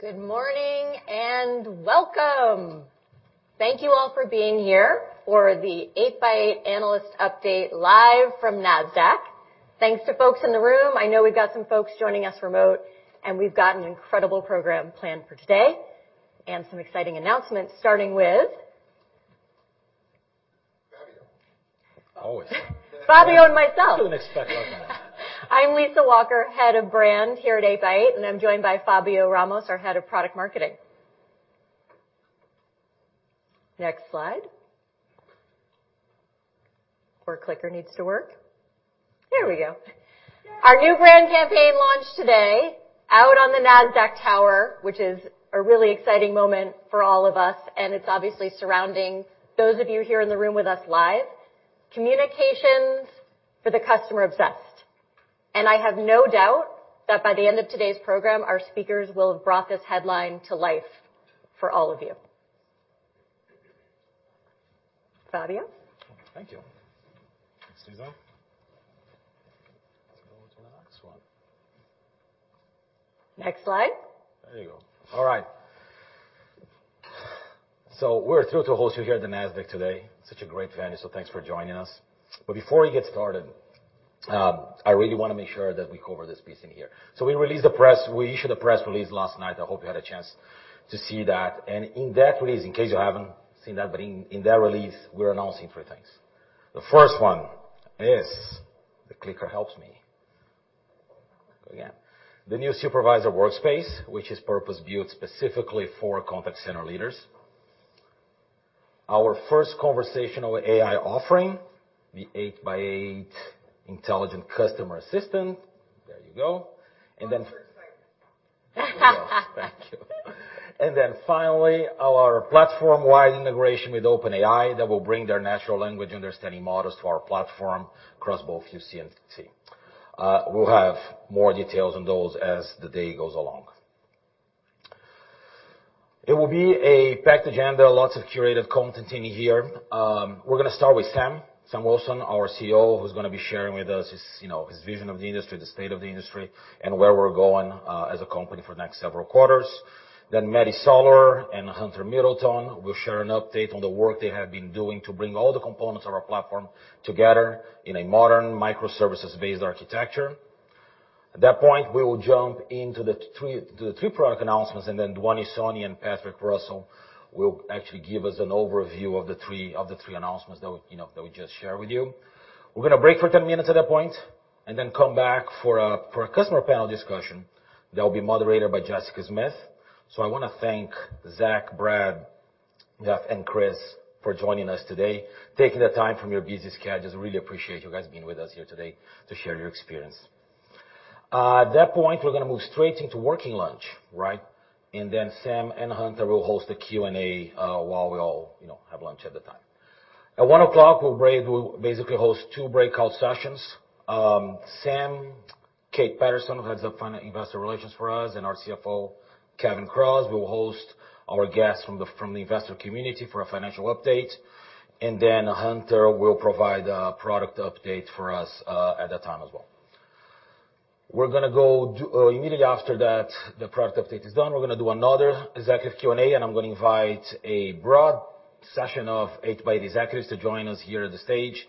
Good morning and welcome. Thank you all for being here for the 8x8 Analyst Update live from Nasdaq. Thanks to folks in the room. I know we've got some folks joining us remote, and we've got an incredible program planned for today, and some exciting announcements, starting with... Fábio. Always. Fábio and myself. Didn't expect that one. I'm Lisa Walker, Head of Brand here at 8x8, and I'm joined by Fábio Ramos, our Head of Product Marketing. Next slide. Clicker needs to work. There we go. Our new brand campaign launched today out on the Nasdaq tower, which is a really exciting moment for all of us, and it's obviously surrounding those of you here in the room with us live. Communications for the customer obsessed. I have no doubt that by the end of today's program, our speakers will have brought this headline to life for all of you. Fábio. Thank you. Thanks, Lisa. Let's go to the next one. Next slide. There you go. All right. We're thrilled to host you here at the Nasdaq today. Such a great venue, so thanks for joining us. Before we get started, I really wanna make sure that we cover this piece in here. We issued a press release last night. I hope you had a chance to see that. In that release, in case you haven't seen that, but in that release, we're announcing three things. The first one is. If the clicker helps me. Again. The new Supervisor Workspace, which is purpose-built specifically for Contact Center leaders. Our first conversational AI offering, the 8x8 Intelligent Customer Assistant. There you go. And then. Oh, we're excited. Thank you. Finally, our platform-wide integration with OpenAI that will bring their natural language understanding models to our platform across both UC and CCaaS. We'll have more details on those as the day goes along. It will be a packed agenda, lots of curated content in here. We're gonna start with Sam Wilson, our CEO, who's gonna be sharing with us his, you know, his vision of the industry, the state of the industry, and where we're going as a company for the next several quarters. Mehdi Salour and Hunter Middleton will share an update on the work they have been doing to bring all the components of our platform together in a modern microservices-based architecture. At that point, we will jump into the three product announcements. Dhwani Soni and Patrick Russell will actually give us an overview of the three announcements that we, you know, that we just shared with you. We're gonna break for 10 minutes at that point and then come back for a customer panel discussion that will be moderated by Jessica Smith. I wanna thank Zach, Brad, Jeff, and Chris for joining us today, taking the time from your busy schedule. Just really appreciate you guys being with us here today to share your experience. At that point, we're gonna move straight into working lunch, right? Sam and Hunter will host a Q&A while we all, you know, have lunch at the time. At 1:00, we'll break. We'll basically host two breakout sessions. Sam, Kate Patterson, who heads up investor relations for us, and our CFO, Kevin Kraus, will host our guests from the investor community for a financial update. Hunter will provide a product update for us at that time as well. Immediately after that, the product update is done, we're gonna do another executive Q&A. I'm gonna invite a broad session of 8x8 executives to join us here at the stage,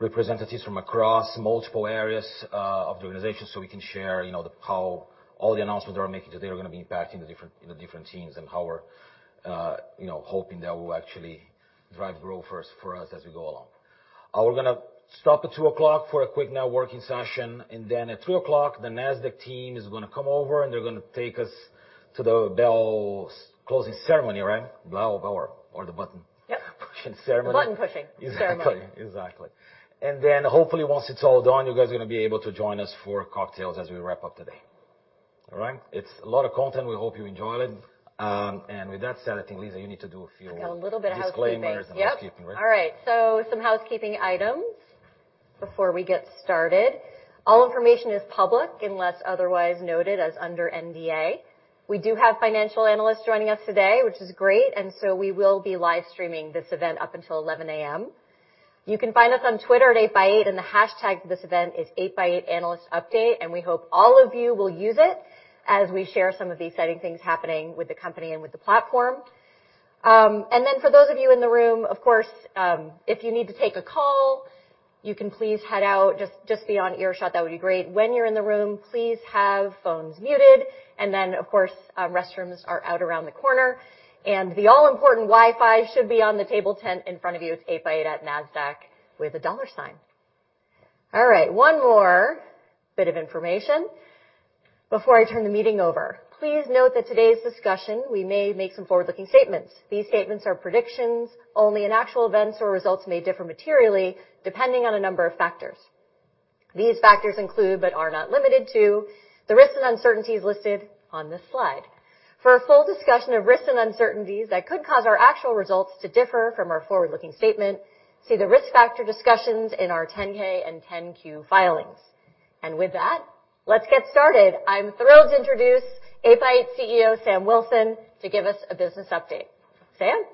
representatives from across multiple areas of the organization, so we can share, you know, how all the announcements that we're making today are gonna be impacting the different, you know, teams and how we're, you know, hoping that will actually drive growth for us as we go along. We're gonna stop at 2:00 P.M. for a quick networking session, and then at 2:00 P.M., the Nasdaq team is gonna come over, and they're gonna take us to the bell closing ceremony, right? Bell or the button. Yep. Pushing ceremony. The button-pushing ceremony. Exactly. Then, hopefully, once it's all done, you guys are gonna be able to join us for cocktails as we wrap up today. All right? It's a lot of content. We hope you enjoy it. With that said, I think, Lisa, you need to do. I've got a little bit of housekeeping. Disclaimers and housekeeping, right? Yep. All right. Some housekeeping items before we get started. All information is public unless otherwise noted as under NDA. We do have financial analysts joining us today, which is great, we will be live streaming this event up until 11:00 A.M. You can find us on Twitter at 8x8, the hashtag for this event is #8x8AnalystUpdate, and we hope all of you will use it as we share some of the exciting things happening with the company and with the platform. For those of you in the room, of course, if you need to take a call, you can please head out. Just be on earshot. That would be great. When you're in the room, please have phones muted. Of course, restrooms are out around the corner. The all-important Wi-Fi should be on the table tent in front of you. It's 8x8 at Nasdaq with a dollar sign. All right, one more bit of information before I turn the meeting over. Please note that today's discussion, we may make some forward-looking statements. These statements are predictions only, and actual events or results may differ materially, depending on a number of factors. These factors include, but are not limited to, the risks and uncertainties listed on this slide. For a full discussion of risks and uncertainties that could cause our actual results to differ from our forward-looking statement, see the risk factor discussions in our 10-K and 10-Q filings. With that, let's get started. I'm thrilled to introduce 8x8 CEO, Sam Wilson, to give us a business update. Sam?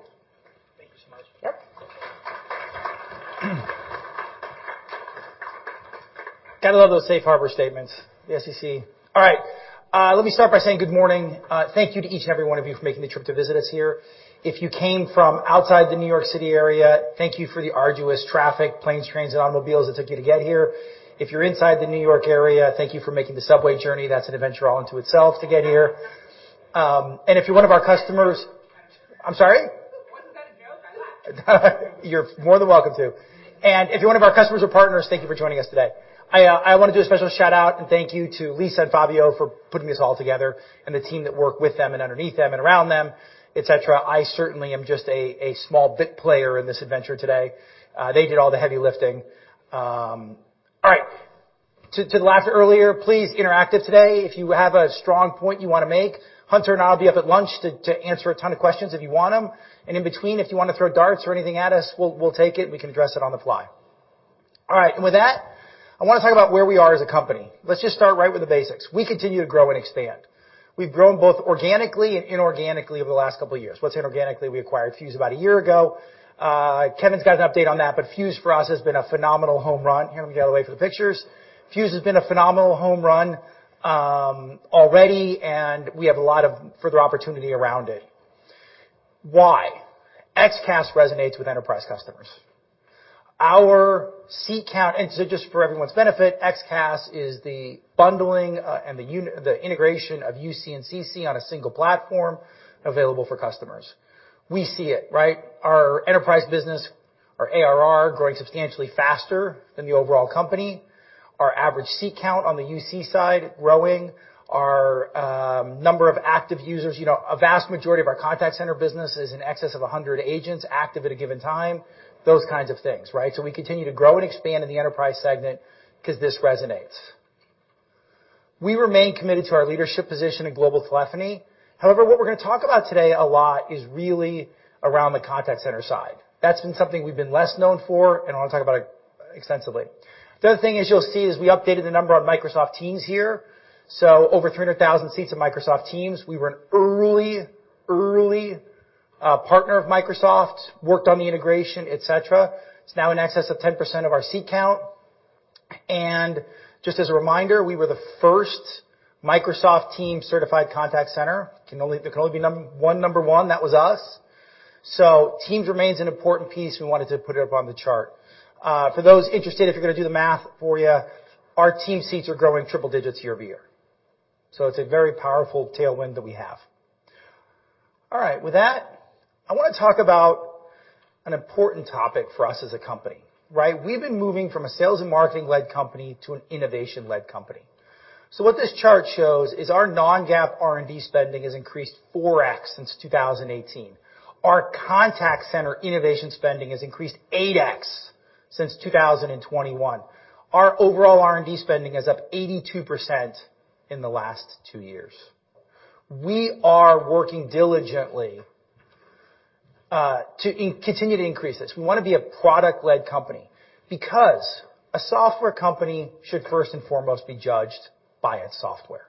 Gotta love those safe harbor statements, the SEC. All right, let me start by saying good morning. Thank you to each and every one of you for making the trip to visit us here. If you came from outside the New York City area, thank you for the arduous traffic, planes, trains, and automobiles it took you to get here. If you're inside the New York area, thank you for making the subway journey. That's an adventure all into itself to get here. If you're one of our customers- I'm sorry? Wasn't that a joke? I laughed. You're more than welcome to. If you're one of our customers or partners, thank you for joining us today. I wanna do a special shout-out, and thank you to Lisa and Fábio for putting this all together, and the team that worked with them and underneath them and around them, et cetera. I certainly am just a small bit player in this adventure today. They did all the heavy lifting. All right, to the laugh earlier, please interact today. If you have a strong point you wanna make, Hunter and I'll be up at lunch to answer a ton of questions if you want 'em. In between, if you wanna throw darts or anything at us, we'll take it and we can address it on the fly. All right. With that, I wanna talk about where we are as a company. Let's just start right with the basics. We continue to grow and expand. We've grown both organically and inorganically over the last couple of years. What's inorganically? We acquired Fuze about a year ago. Kevin's got an update on that. Fuze for us has been a phenomenal home run. Here, let me get out of the way for the pictures. Fuze has been a phenomenal home run already. We have a lot of further opportunity around it. Why? XCaaS resonates with enterprise customers. Just for everyone's benefit, XCaaS is the bundling and the integration of UC and CC on a single platform available for customers. We see it, right? Our enterprise business, our ARR growing substantially faster than the overall company. Our average seat count on the UC side growing. Our number of active users, you know, a vast majority of our Contact Center business is in excess of 100 agents active at a given time. Those kinds of things, right? We continue to grow and expand in the enterprise segment because this resonates. We remain committed to our leadership position in global telephony. However, what we're gonna talk about today a lot is really around the Contact Center side. That's been something we've been less known for, and I wanna talk about it extensively. The other thing, as you'll see, is we updated the number on Microsoft Teams here. Over 300,000 seats of Microsoft Teams. We were an early partner of Microsoft, worked on the integration, et cetera. It's now in excess of 10% of our seat count. Just as a reminder, we were the first Microsoft Teams certified Contact Center. There can only be one number one. That was us. Teams remains an important piece, we wanted to put it up on the chart. For those interested, if you're gonna do the math for you, our Teams seats are growing triple digits year-over-year. It's a very powerful tailwind that we have. All right. With that, I wanna talk about an important topic for us as a company, right? We've been moving from a sales and marketing-led company to an innovation-led company. What this chart shows is our non-GAAP R&D spending has increased 4x since 2018. Our Contact Center innovation spending has increased 8x since 2021. Our overall R&D spending is up 82% in the last two years. We are working diligently to continue to increase this. We wanna be a product-led company because a software company should, first and foremost, be judged by its software.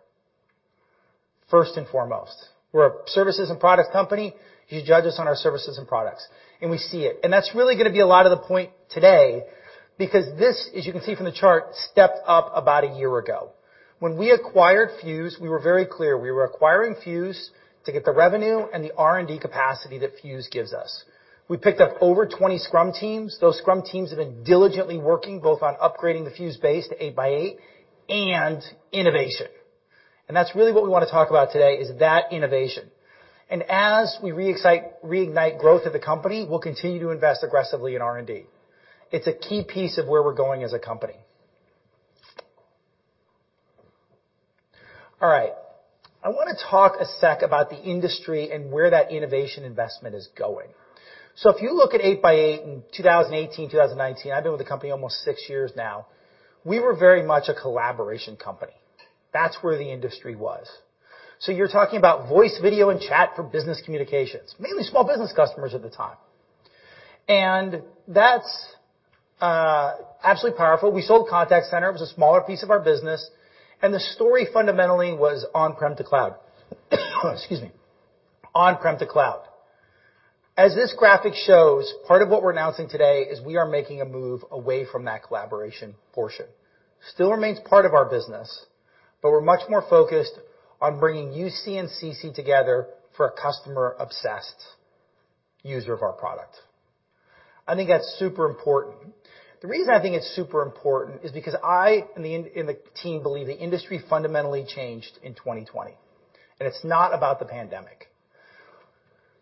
First and foremost. We're a services and product company. You should judge us on our services and products. We see it. That's really gonna be a lot of the point today because this, as you can see from the chart, stepped up about a year ago. When we acquired Fuze, we were very clear, we were acquiring Fuze to get the revenue and the R&D capacity that Fuze gives us. We picked up over 20 Scrum teams. Those Scrum teams have been diligently working both on upgrading the Fuze base to 8x8 and innovation. That's really what we wanna talk about today, is that innovation. As we reignite growth of the company, we'll continue to invest aggressively in R&D. It's a key piece of where we're going as a company. All right. I wanna talk a sec about the industry and where that innovation investment is going. If you look at 8x8 in 2018, 2019, I've been with the company almost six years now. We were very much a collaboration company. That's where the industry was. You're talking about voice, video, and chat for business communications, mainly small business customers at the time. That's absolutely powerful. We sold Contact Center. It was a smaller piece of our business, and the story fundamentally was on-prem to cloud. Excuse me. On-prem to cloud. As this graphic shows, part of what we're announcing today is we are making a move away from that collaboration portion. Still remains part of our business, we're much more focused on bringing UC and CC together for a customer-obsessed user of our product. I think that's super important. The reason I think it's super important is because I and the team believe the industry fundamentally changed in 2020. It's not about the pandemic.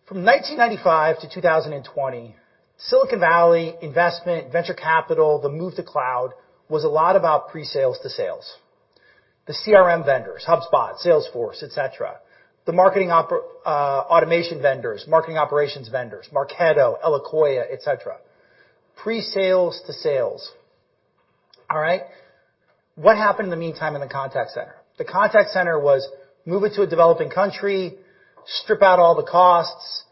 From 1995 to 2020, Silicon Valley investment, venture capital, the move to cloud was a lot about pre-sales to sales. The CRM vendors, HubSpot, Salesforce, et cetera. The marketing automation vendors, marketing operations vendors, Marketo, Eloqua, et cetera. Pre-sales to sales. All right? What happened in the meantime in the Contact Center? The Contact Center was move it to a developing country, strip out all the costs,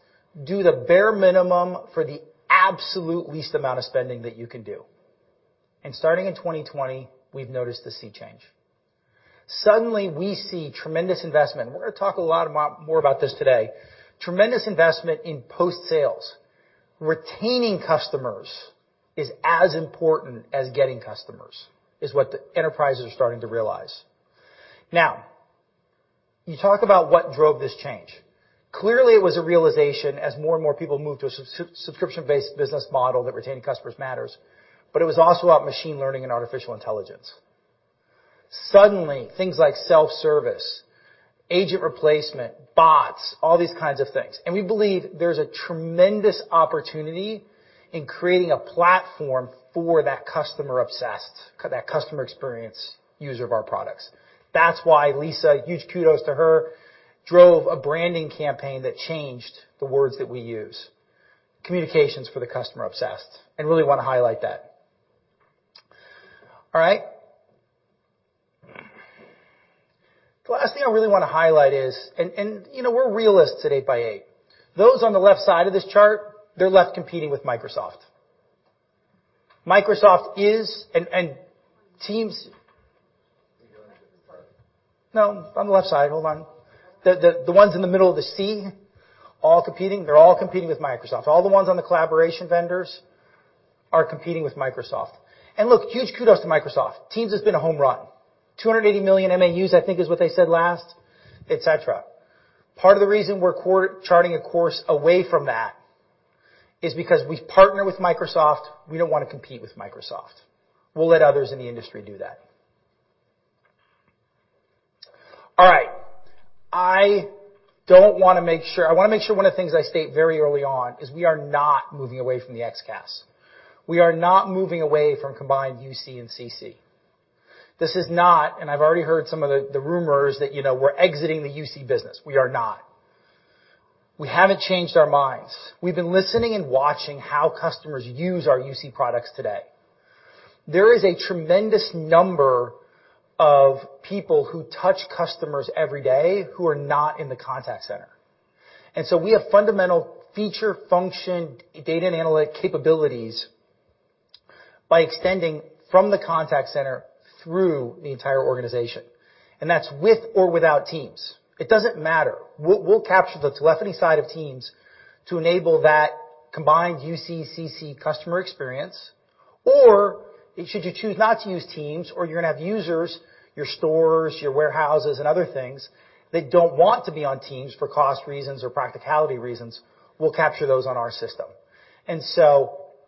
do the bare minimum for the absolute least amount of spending that you can do. Starting in 2020, we've noticed the sea change. Suddenly, we see tremendous investment. We're gonna talk a lot more about this today. Tremendous investment in post-sales. Retaining customers is as important as getting customers, is what the enterprises are starting to realize. You talk about what drove this change. Clearly, it was a realization as more and more people moved to a subscription-based business model that retaining customers matters, but it was also about machine learning and artificial intelligence. Suddenly, things like self-service, agent replacement, bots, all these kinds of things. We believe there's a tremendous opportunity in creating a platform for that customer obsessed, that customer experience user of our products. That's why Lisa, huge kudos to her, drove a branding campaign that changed the words that we use, communications for the customer obsessed, and really wanna highlight that. All right. The last thing I really wanna highlight is, you know, we're realists at 8x8. Those on the left side of this chart, they're left competing with Microsoft. Microsoft is Teams. No, on the left side. Hold on. The ones in the middle of the C, all competing, they're all competing with Microsoft. All the ones on the collaboration vendors are competing with Microsoft. Look, huge kudos to Microsoft. Teams has been a home run. 280 million MAUs, I think, is what they said last, et cetera. Part of the reason we're charting a course away from that is because we partner with Microsoft, we don't wanna compete with Microsoft. We'll let others in the industry do that. All right. I don't wanna make sure... I wanna make sure one of the things I state very early on is we are not moving away from the XCaaS. We are not moving away from combined UC and CC. This is not, and I've already heard some of the rumors that, you know, we're exiting the UC business. We are not. We haven't changed our minds. We've been listening and watching how customers use our UC products today. There is a tremendous number of people who touch customers every day who are not in the Contact Center. We have fundamental feature function data and analytic capabilities by extending from the Contact Center through the entire organization, and that's with or without Teams. It doesn't matter. We'll capture the telephony side of Teams to enable that combined UCC/CC customer experience. Should you choose not to use Teams or you're gonna have users, your stores, your warehouses, and other things that don't want to be on Teams for cost reasons or practicality reasons, we'll capture those on our system.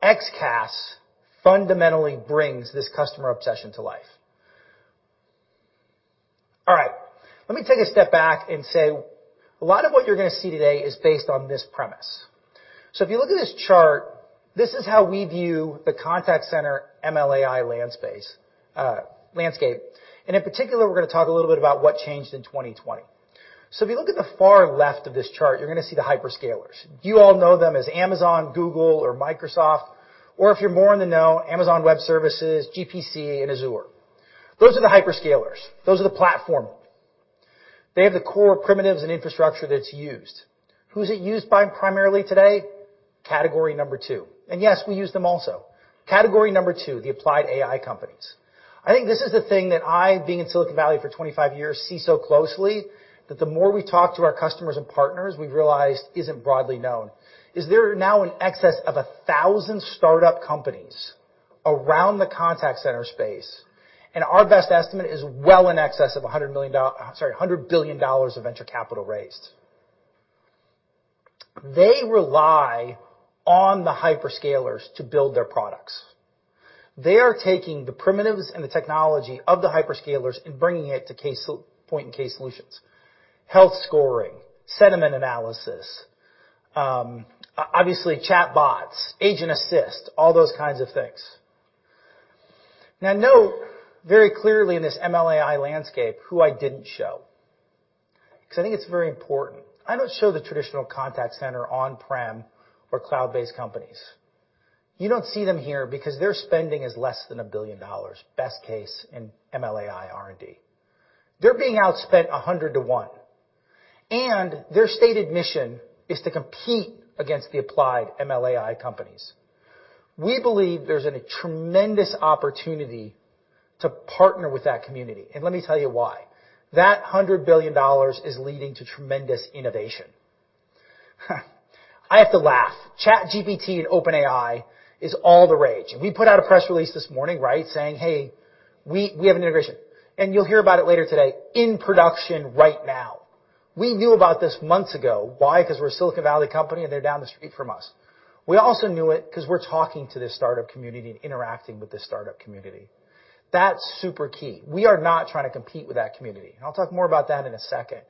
XCaaS fundamentally brings this customer obsession to life. All right. Let me take a step back and say, a lot of what you're gonna see today is based on this premise. If you look at this chart, this is how we view the Contact Center ML/AI landscape. In particular, we're gonna talk a little bit about what changed in 2020. If you look at the far left of this chart, you're gonna see the hyperscalers. You all know them as Amazon, Google, or Microsoft, or if you're more in the know, Amazon Web Services, GCP, and Azure. Those are the hyperscalers. Those are the platform. They have the core primitives and infrastructure that's used. Who's it used by primarily today? Category number two. Yes, we use them also. Category number two, the applied AI companies. I think this is the thing that I, being in Silicon Valley for 25 years, see so closely that the more we talk to our customers and partners, we've realized isn't broadly known. There are now in excess of 1,000 startup companies around the Contact Center space. Our best estimate is well in excess of sorry, $100 billion of venture capital raised. They rely on the hyperscalers to build their products. They are taking the primitives and the technology of the hyperscalers and bringing it to point and case solutions. Health scoring, sentiment analysis, obviously chatbots, agent assist, all those kinds of things. Note very clearly in this ML/AI landscape who I didn't show, because I think it's very important. I don't show the traditional Contact Center on-prem or cloud-based companies. You don't see them here because their spending is less than $1 billion, best case in ML/AI R&D. They're being outspent 100 to one, their stated mission is to compete against the applied ML/AI companies. We believe there's a tremendous opportunity to partner with that community, let me tell you why. That $100 billion is leading to tremendous innovation. I have to laugh. ChatGPT and OpenAI is all the rage. We put out a press release this morning, right, saying, "Hey, we have an integration." You'll hear about it later today in production right now. We knew about this months ago. Why? 'Cause we're a Silicon Valley company, and they're down the street from us. We also knew it 'cause we're talking to this startup community and interacting with this startup community. That's super key. We are not trying to compete with that community. I'll talk more about that in a second.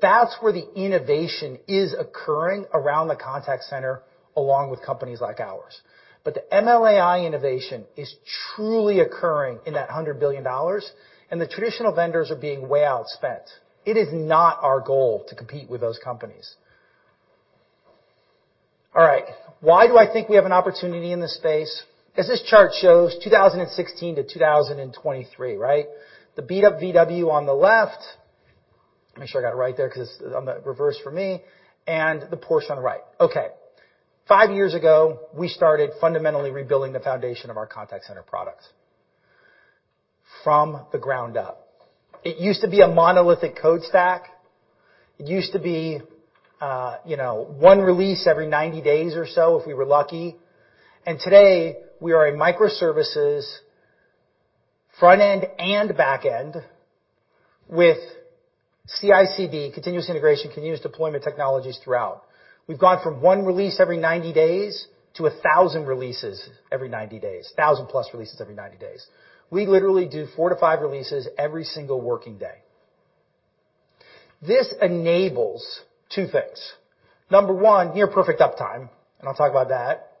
That's where the innovation is occurring around the Contact Center, along with companies like ours. The ML/AI innovation is truly occurring in that $100 billion, and the traditional vendors are being way outspent. It is not our goal to compete with those companies. All right. Why do I think we have an opportunity in this space? As this chart shows, 2016-2023, right? The VW on the left. Make sure I got it right there because it's on the reverse for me and the portion on the right. Okay. Five years ago, we started fundamentally rebuilding the foundation of our Contact Center products from the ground up. It used to be a monolithic code stack. It used to be, you know, one release every 90 days or so if we were lucky. Today, we are a microservices front-end and back-end with CI/CD, continuous integration, continuous deployment technologies throughout. We've gone from one release every 90 days to 1,000 releases every 90 days. 1,000+ releases every 90 days. We literally do four to five releases every single working day. This enables two things. Number one, near perfect uptime, and I'll talk about that.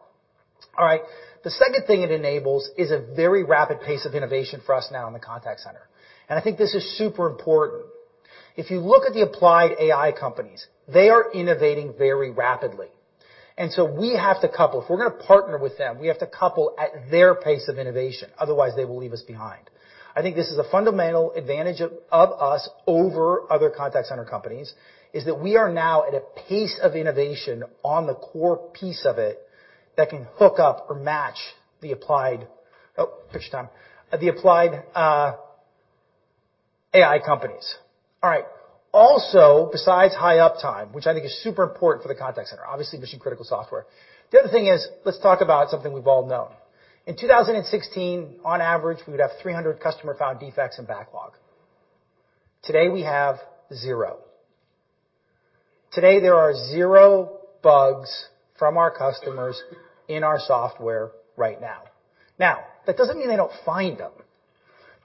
All right. The second thing it enables is a very rapid pace of innovation for us now in the Contact Center. I think this is super important. If you look at the applied AI companies, they are innovating very rapidly. We have to couple. If we're gonna partner with them, we have to couple at their pace of innovation, otherwise they will leave us behind. I think this is a fundamental advantage of us over other Contact Center companies, is that we are now at a pace of innovation on the core piece of it that can hook up or match. Oh, picture time. The applied AI companies. All right. Also, besides high uptime, which I think is super important for the Contact Center, obviously mission-critical software. The other thing is, let's talk about something we've all known. In 2016, on average, we would have 300 customer-found defects in backlog. Today, we have zero. Today, there are zero bugs from our customers in our software right now. That doesn't mean they don't find them,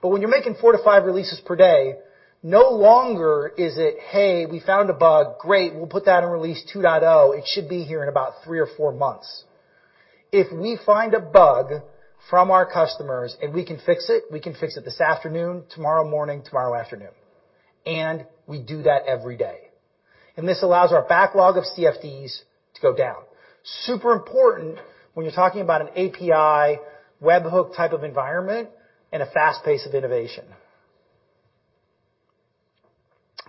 but when you're making four to five releases per day, no longer is it, "Hey, we found a bug. Great. We'll put that in release 2.0. It should be here in about three to four months." If we find a bug from our customers and we can fix it, we can fix it this afternoon, tomorrow morning, tomorrow afternoon. We do that every day. This allows our backlog of CFDs to go down. Super important when you're talking about an API webhook type of environment and a fast pace of innovation.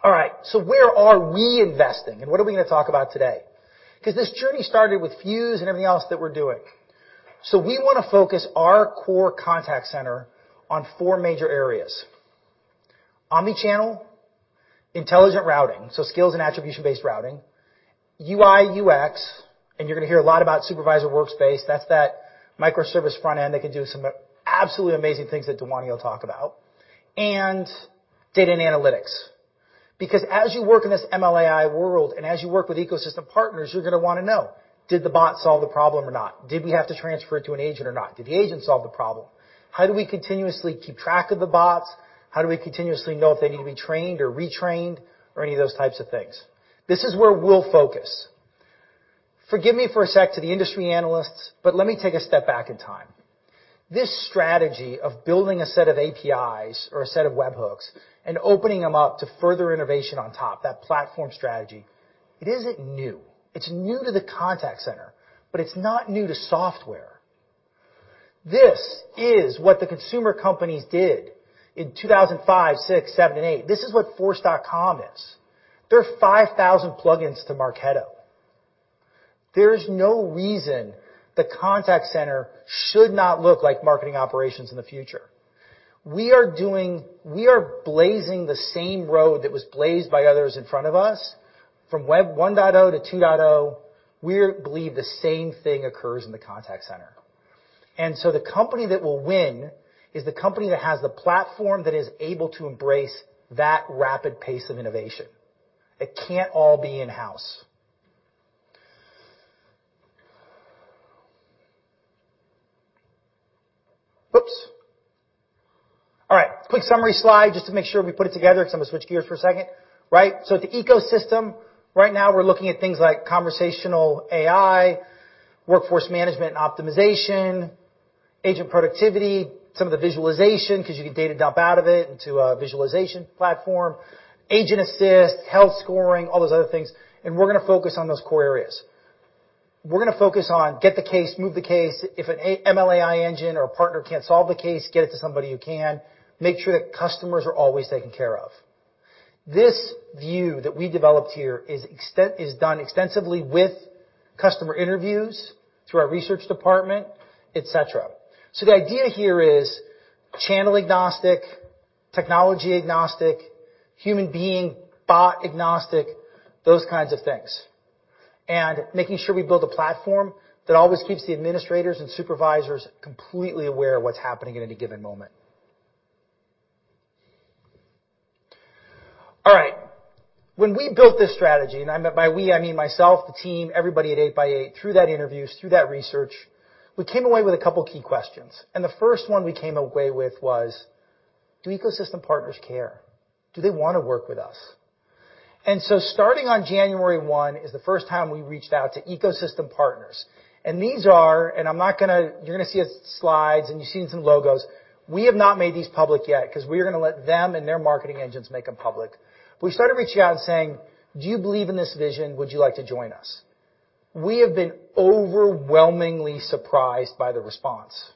All right, where are we investing and what are we gonna talk about today? 'Cause this journey started with Fuze and everything else that we're doing. We wanna focus our core Contact Center on four major areas. Omnichannel, intelligent routing, so skills and attribution-based routing, UI/UX, and you're gonna hear a lot about Supervisor Workspace. That's that microservice front end that can do some absolutely amazing things that Dhwani will talk about. Data and analytics. As you work in this ML/AI world and as you work with ecosystem partners, you're gonna wanna know, did the bot solve the problem or not? Did we have to transfer it to an agent or not? Did the agent solve the problem? How do we continuously keep track of the bots? How do we continuously know if they need to be trained or retrained or any of those types of things? This is where we'll focus. Forgive me for a second to the industry analysts, let me take a step back in time. This strategy of building a set of APIs or a set of webhooks and opening them up to further innovation on top, that platform strategy, it isn't new. It's new to the Contact Center, it's not new to software. This is what the consumer companies did in 2005, 2006, 2007, and 2008. This is what Force.com is. There are 5,000 plugins to Marketo. There's no reason the Contact Center should not look like marketing operations in the future. We are blazing the same road that was blazed by others in front of us from web 1.0 to 2.0. We believe the same thing occurs in the Contact Center. The company that will win is the company that has the platform that is able to embrace that rapid pace of innovation. It can't all be in-house. Oops. All right, quick summary slide just to make sure we put it together 'cause I'm gonna switch gears for a second. Right? At the ecosystem, right now we're looking at things like Conversational AI, workforce management and optimization, agent productivity, some of the visualization 'cause you get data dump out of it into a visualization platform, agent assist, health scoring, all those other things, and we're gonna focus on those core areas. We're gonna focus on get the case, move the case. If an ML/AI engine or partner can't solve the case, get it to somebody who can. Make sure that customers are always taken care of. This view that we developed here is done extensively with customer interviews through our research department, et cetera. The idea here is channel agnostic, technology agnostic, human being, bot agnostic, those kinds of things, and making sure we build a platform that always keeps the administrators and supervisors completely aware of what's happening at any given moment. All right. When we built this strategy, by we, I mean myself, the team, everybody at 8x8, through that interviews, through that research, we came away with two key questions. The first one we came away with was, do ecosystem partners care? Do they wanna work with us? Starting on January one is the first time we reached out to ecosystem partners. I'm not gonna. You're gonna see slides, and you've seen some logos. We have not made these public yet 'cause we're gonna let them and their marketing engines make them public. We started reaching out and saying, "Do you believe in this vision? Would you like to join us?" We have been overwhelmingly surprised by the response.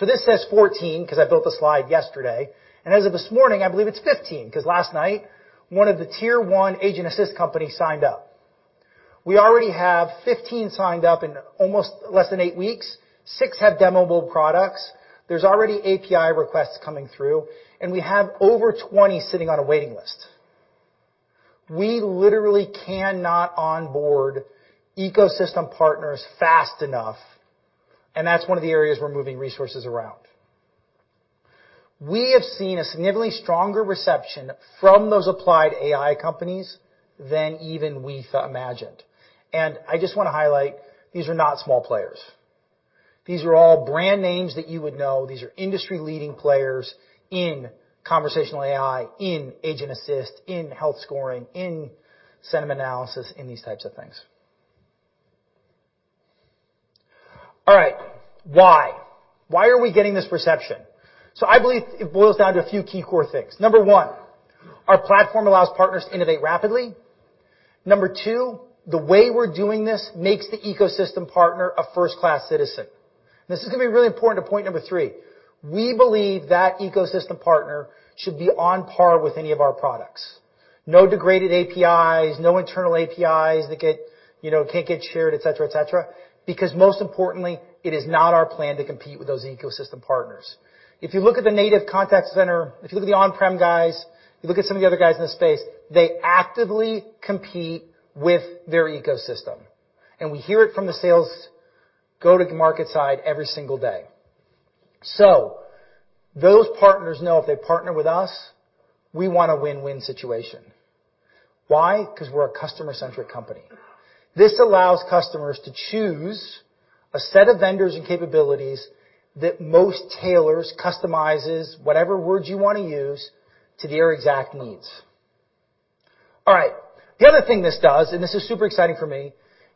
This says 14 'cause I built the slide yesterday, and as of this morning, I believe it's 15, 'cause last night, one of the Tier 1 agent assist companies signed up. We already have 15 signed up in almost less than eight weeks. Six have demoable products. There's already API requests coming through, and we have over 20 sitting on a waiting list. We literally cannot onboard ecosystem partners fast enough, and that's one of the areas we're moving resources around. We have seen a significantly stronger reception from those applied AI companies than even we imagined. I just wanna highlight, these are not small players. These are all brand names that you would know. These are industry-leading players in conversational AI, in agent assist, in health scoring, in sentiment analysis, in these types of things. All right, why? Why are we getting this reception? I believe it boils down to a few key core things. Number one, our platform allows partners to innovate rapidly. Number two, the way we're doing this makes the ecosystem partner a first-class citizen. This is gonna be really important to point number three. We believe that ecosystem partner should be on par with any of our products. No degraded APIs, no internal APIs that get, you know, can't get shared, et cetera, et cetera, because most importantly, it is not our plan to compete with those ecosystem partners. If you look at the native Contact Center, if you look at the on-prem guys, you look at some of the other guys in the space, they actively compete with their ecosystem. We hear it from the sales go-to-market side every single day. Those partners know if they partner with us, we want a win-win situation. Why? 'Cause we're a customer-centric company. This allows customers to choose a set of vendors and capabilities that most tailors, customizes, whatever word you wanna use, to their exact needs. All right. The other thing this does, and this is super exciting for me,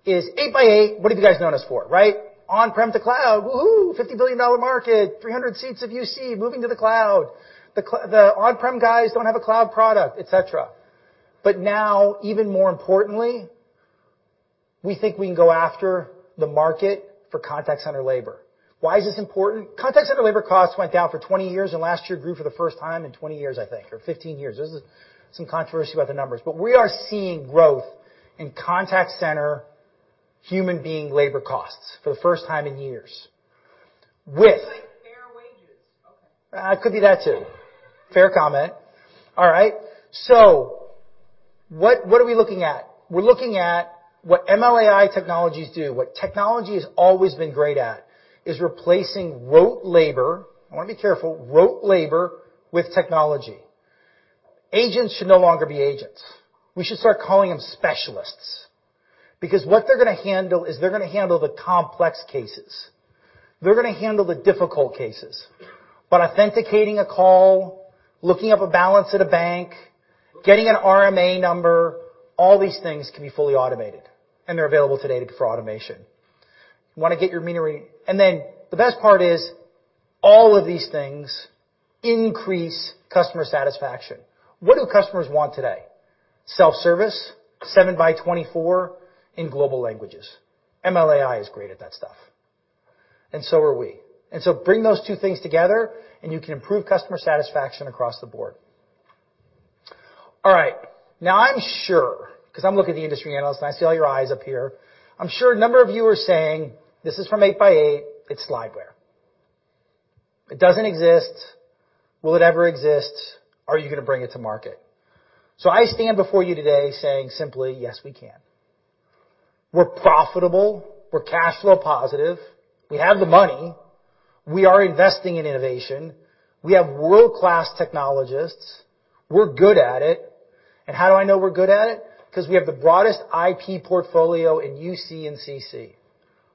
is 8x8, what have you guys known us for, right? On-prem to cloud, woo-hoo, $50 billion market, 300 seats of UC moving to the cloud. The on-prem guys don't have a cloud product, et cetera. Now, even more importantly, we think we can go after the market for Contact Center labor. Why is this important? Contact center labor costs went down for 20 years, and last year grew for the first time in 20 years, I think, or 15 years. There's some controversy about the numbers, but we are seeing growth in Contact Center human being labor costs for the first time in years. Could be that too. Fair comment. All right. What are we looking at? We're looking at what ML/AI technologies do, what technology has always been great at, is replacing rote labor, I wanna be careful, rote labor with technology. Agents should no longer be agents. We should start calling them specialists because what they're gonna handle is they're gonna handle the complex cases. They're gonna handle the difficult cases. Authenticating a call, looking up a balance at a bank, getting an RMA number, all these things can be fully automated, and they're available today for automation. Wanna get your mean. The best part is all of these things increase customer satisfaction. What do customers want today? Self-service, seven by 24 in global languages. ML/AI is great at that stuff, and so are we. Bring those two things together, and you can improve customer satisfaction across the board. All right. Now, I'm sure, 'cause I'm looking at the industry analysts, and I see all your eyes up here. I'm sure a number of you are saying, "This is from 8x8. It's slideware. It doesn't exist. Will it ever exist? Are you gonna bring it to market?" I stand before you today saying simply, "Yes, we can." We're profitable. We're cash flow positive. We have the money. We are investing in innovation. We have world-class technologists. We're good at it. How do I know we're good at it? 'Cause we have the broadest IP portfolio in UC and CC.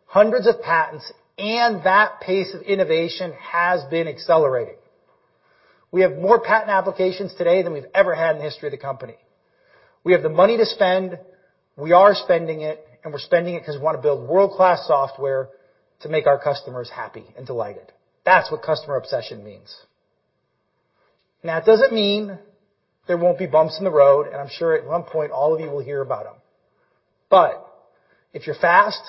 Hundreds of patents and that pace of innovation has been accelerating. We have more patent applications today than we've ever had in the history of the company. We have the money to spend. We are spending it, and we're spending it 'cause we wanna build world-class software to make our customers happy and delighted. That's what customer obsession means. It doesn't mean there won't be bumps in the road, and I'm sure at one point all of you will hear about them. If you're fast,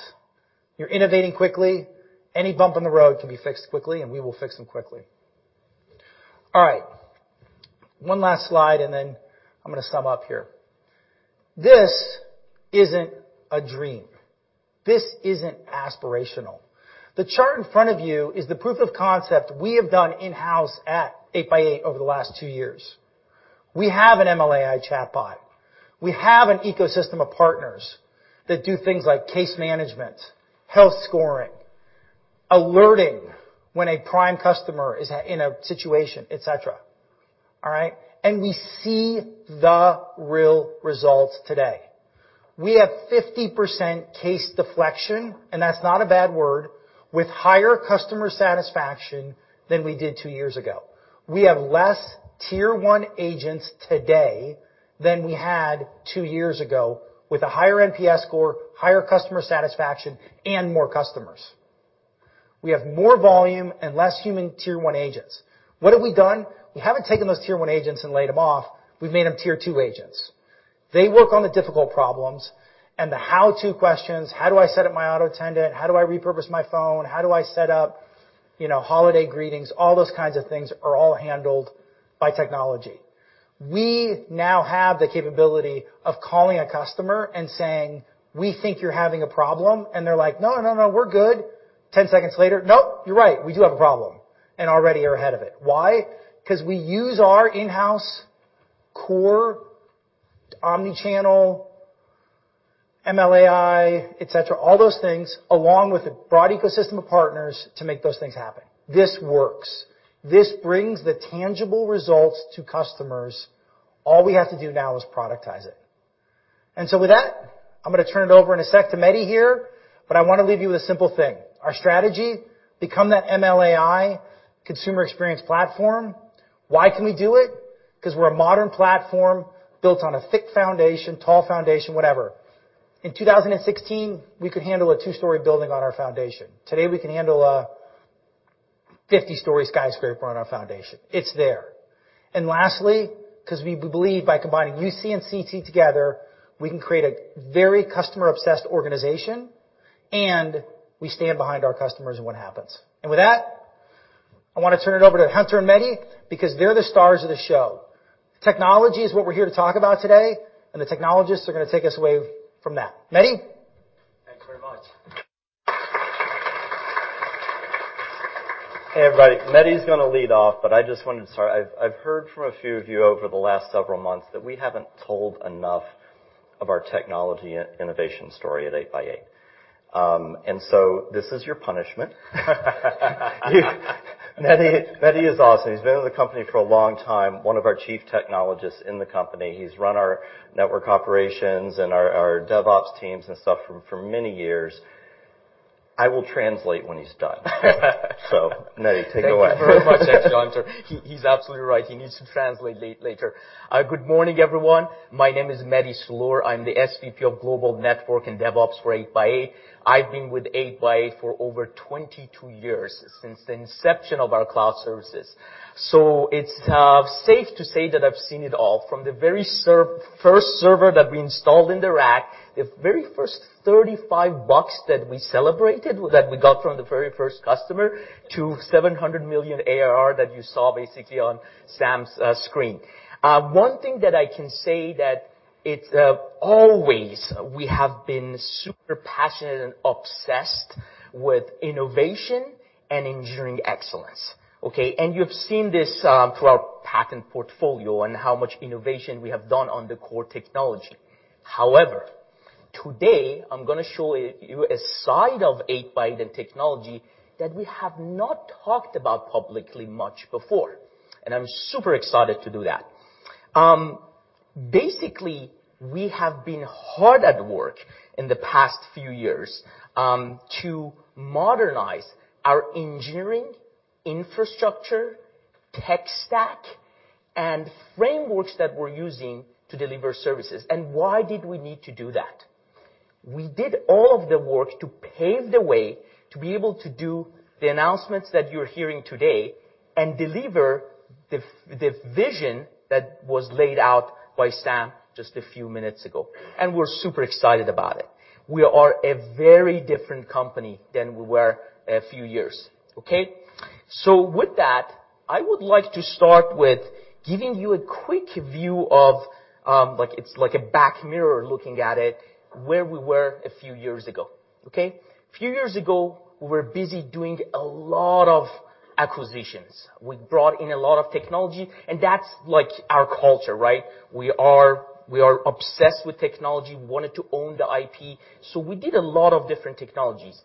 you're innovating quickly, any bump in the road can be fixed quickly, and we will fix them quickly. All right. 1 last slide, I'm gonna sum up here. This isn't a dream. This isn't aspirational. The chart in front of you is the proof of concept we have done in-house at 8x8 over the last two years. We have an ML/AI chatbot. We have an ecosystem of partners that do things like case management, health scoring, alerting when a prime customer is in a situation, et cetera. All right? We see the real results today. We have 50% case deflection, and that's not a bad word, with higher customer satisfaction than we did two years ago. We have less tier one agents today than we had two years ago with a higher NPS score, higher customer satisfaction, and more customers. We have more volume and less human tier one agents. What have we done? We haven't taken those tier one agents and laid them off. We've made them tier two agents. They work on the difficult problems and the how-to questions, how do I set up my auto attendant, how do I repurpose my phone, how do I set up, you know, holiday greetings, all those kinds of things are all handled by technology. We now have the capability of calling a customer and saying, "We think you're having a problem." And they're like, "No, no, we're good." 10 seconds later, "Nope, you're right. We do have a problem." And already you're ahead of it. Why? 'Cause we use our in-house core omni-channel ML/AI, et cetera, all those things, along with a broad ecosystem of partners to make those things happen. This works. This brings the tangible results to customers. All we have to do now is productize it. With that, I'm gonna turn it over in a sec to Mehdi here, but I wanna leave you with a simple thing. Our strategy, become that ML/AI consumer experience platform. Why can we do it? 'Cause we're a modern platform built on a thick foundation, tall foundation, whatever. In 2016, we could handle a two-story building on our foundation. Today, we can handle a 50-story skyscraper on our foundation. It's there. Lastly, 'cause we believe by combining UC and CT together, we can create a very customer-obsessed organization, and we stand behind our customers and what happens. With that, I wanna turn it over to Hunter and Mehdi because they're the stars of the show. Technology is what we're here to talk about today, and the technologists are gonna take us away from that. Mehdi. Thanks very much. Hey, everybody. Mehdi's gonna lead off, but I just wanted to start. I've heard from a few of you over the last several months that we haven't told enough of our technology and innovation story at 8x8. This is your punishment. Mehdi is awesome. He's been with the company for a long time, one of our chief technologists in the company. He's run our network operations and our DevOps teams and stuff for many years. I will translate when he's done. Mehdi, take it away. Thank you very much, actually, Hunter. He's absolutely right. He needs to translate later. Good morning, everyone. My name is Mehdi Salour. I'm the SVP of Global Network and DevOps for 8x8. I've been with 8x8 for over 22 years, since the inception of our cloud services. It's safe to say that I've seen it all, from the very first server that we installed in the rack, the very first $35 that we celebrated, that we got from the very first customer, to $700 million ARR that you saw basically on Sam's screen. One thing that I can say that it's always we have been super passionate and obsessed with innovation and engineering excellence, okay? You've seen this through our patent portfolio and how much innovation we have done on the core technology. Today I'm gonna show you a side of 8x8 and technology that we have not talked about publicly much before, and I'm super excited to do that. Basically, we have been hard at work in the past few years to modernize our engineering, infrastructure, tech stack, and frameworks that we're using to deliver services. Why did we need to do that? We did all of the work to pave the way to be able to do the announcements that you're hearing today and deliver the vision that was laid out by Sam just a few minutes ago, and we're super excited about it. We are a very different company than we were a few years, okay? With that, I would like to start with giving you a quick view of, like it's like a back mirror looking at it, where we were a few years ago, okay? A few years ago, we were busy doing a lot of acquisitions. We brought in a lot of technology, that's like our culture, right? We are obsessed with technology. We wanted to own the IP, so we did a lot of different technologies.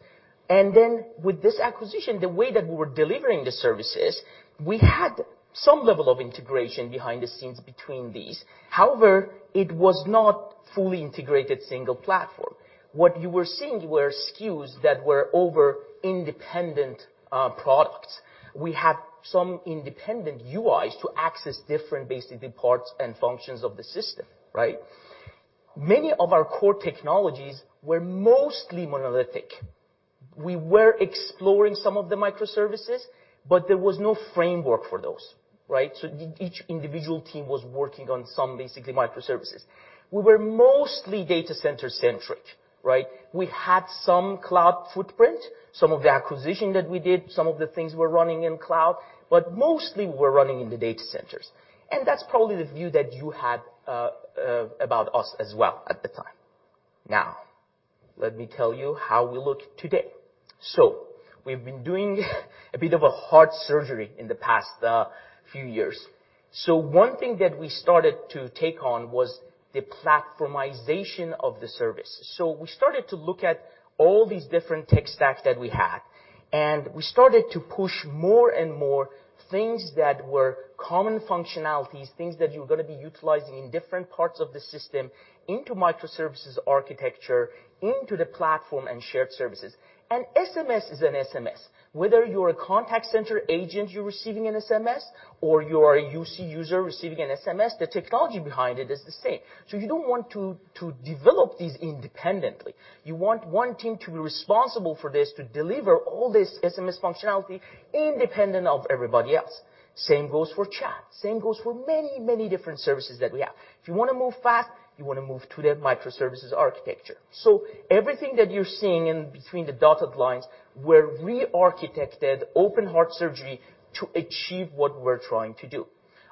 Then with this acquisition, the way that we were delivering the services, we had some level of integration behind the scenes between these. However, it was not fully integrated single platform. What you were seeing were SKUs that were over independent products. We had some independent UIs to access different basically parts and functions of the system, right? Many of our core technologies were mostly monolithic. We were exploring some of the microservices, but there was no framework for those, right? Each individual team was working on some basically microservices. We were mostly data center-centric, right? We had some cloud footprint, some of the acquisition that we did, some of the things were running in cloud, but mostly we're running in the data centers. That's probably the view that you had about us as well at the time. Now, let me tell you how we look today. We've been doing a bit of a heart surgery in the past few years. One thing that we started to take on was the platformization of the service. We started to look at all these different tech stacks that we had, and we started to push more and more things that were common functionalities, things that you're gonna be utilizing in different parts of the system into microservices architecture, into the platform and shared services. An SMS is an SMS. Whether you're a Contact Center agent, you're receiving an SMS, or you're a UC user receiving an SMS, the technology behind it is the same. You don't want to develop these independently. You want one team to be responsible for this to deliver all this SMS functionality independent of everybody else. Same goes for chat, same goes for many, many different services that we have. If you wanna move fast, you wanna move to the microservices architecture. Everything that you're seeing in between the dotted lines were re-architected open-heart surgery to achieve what we're trying to do.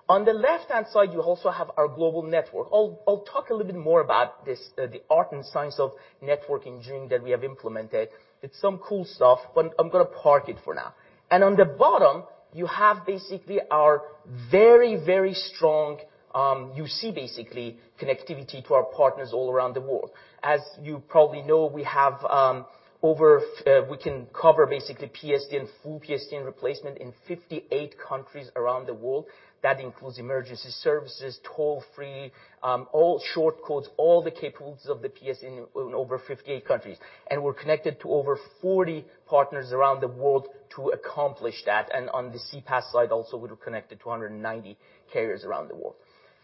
On the left-hand side, you also have our global network. I'll talk a little bit more about this, the art and science of network engineering that we have implemented. It's some cool stuff, but I'm gonna park it for now. On the bottom, you have basically our very, very strong, you see basically connectivity to our partners all around the world. As you probably know, we have, we can cover basically PSTN, full PSTN replacement in 58 countries around the world. That includes emergency services, toll-free, all short codes, all the capabilities of the PSTN in over 58 countries. We're connected to over 40 partners around the world to accomplish that. On the CPaaS side also, we're connected to 190 carriers around the world.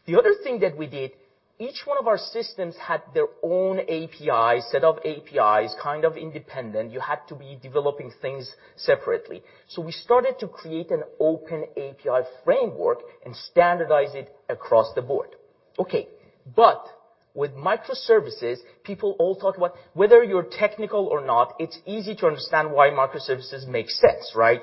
The other thing that we did, each one of our systems had their own API, set of APIs, kind of independent. You had to be developing things separately. We started to create an open API framework and standardize it across the board. Okay. With microservices, people all talk about whether you're technical or not, it's easy to understand why microservices make sense, right?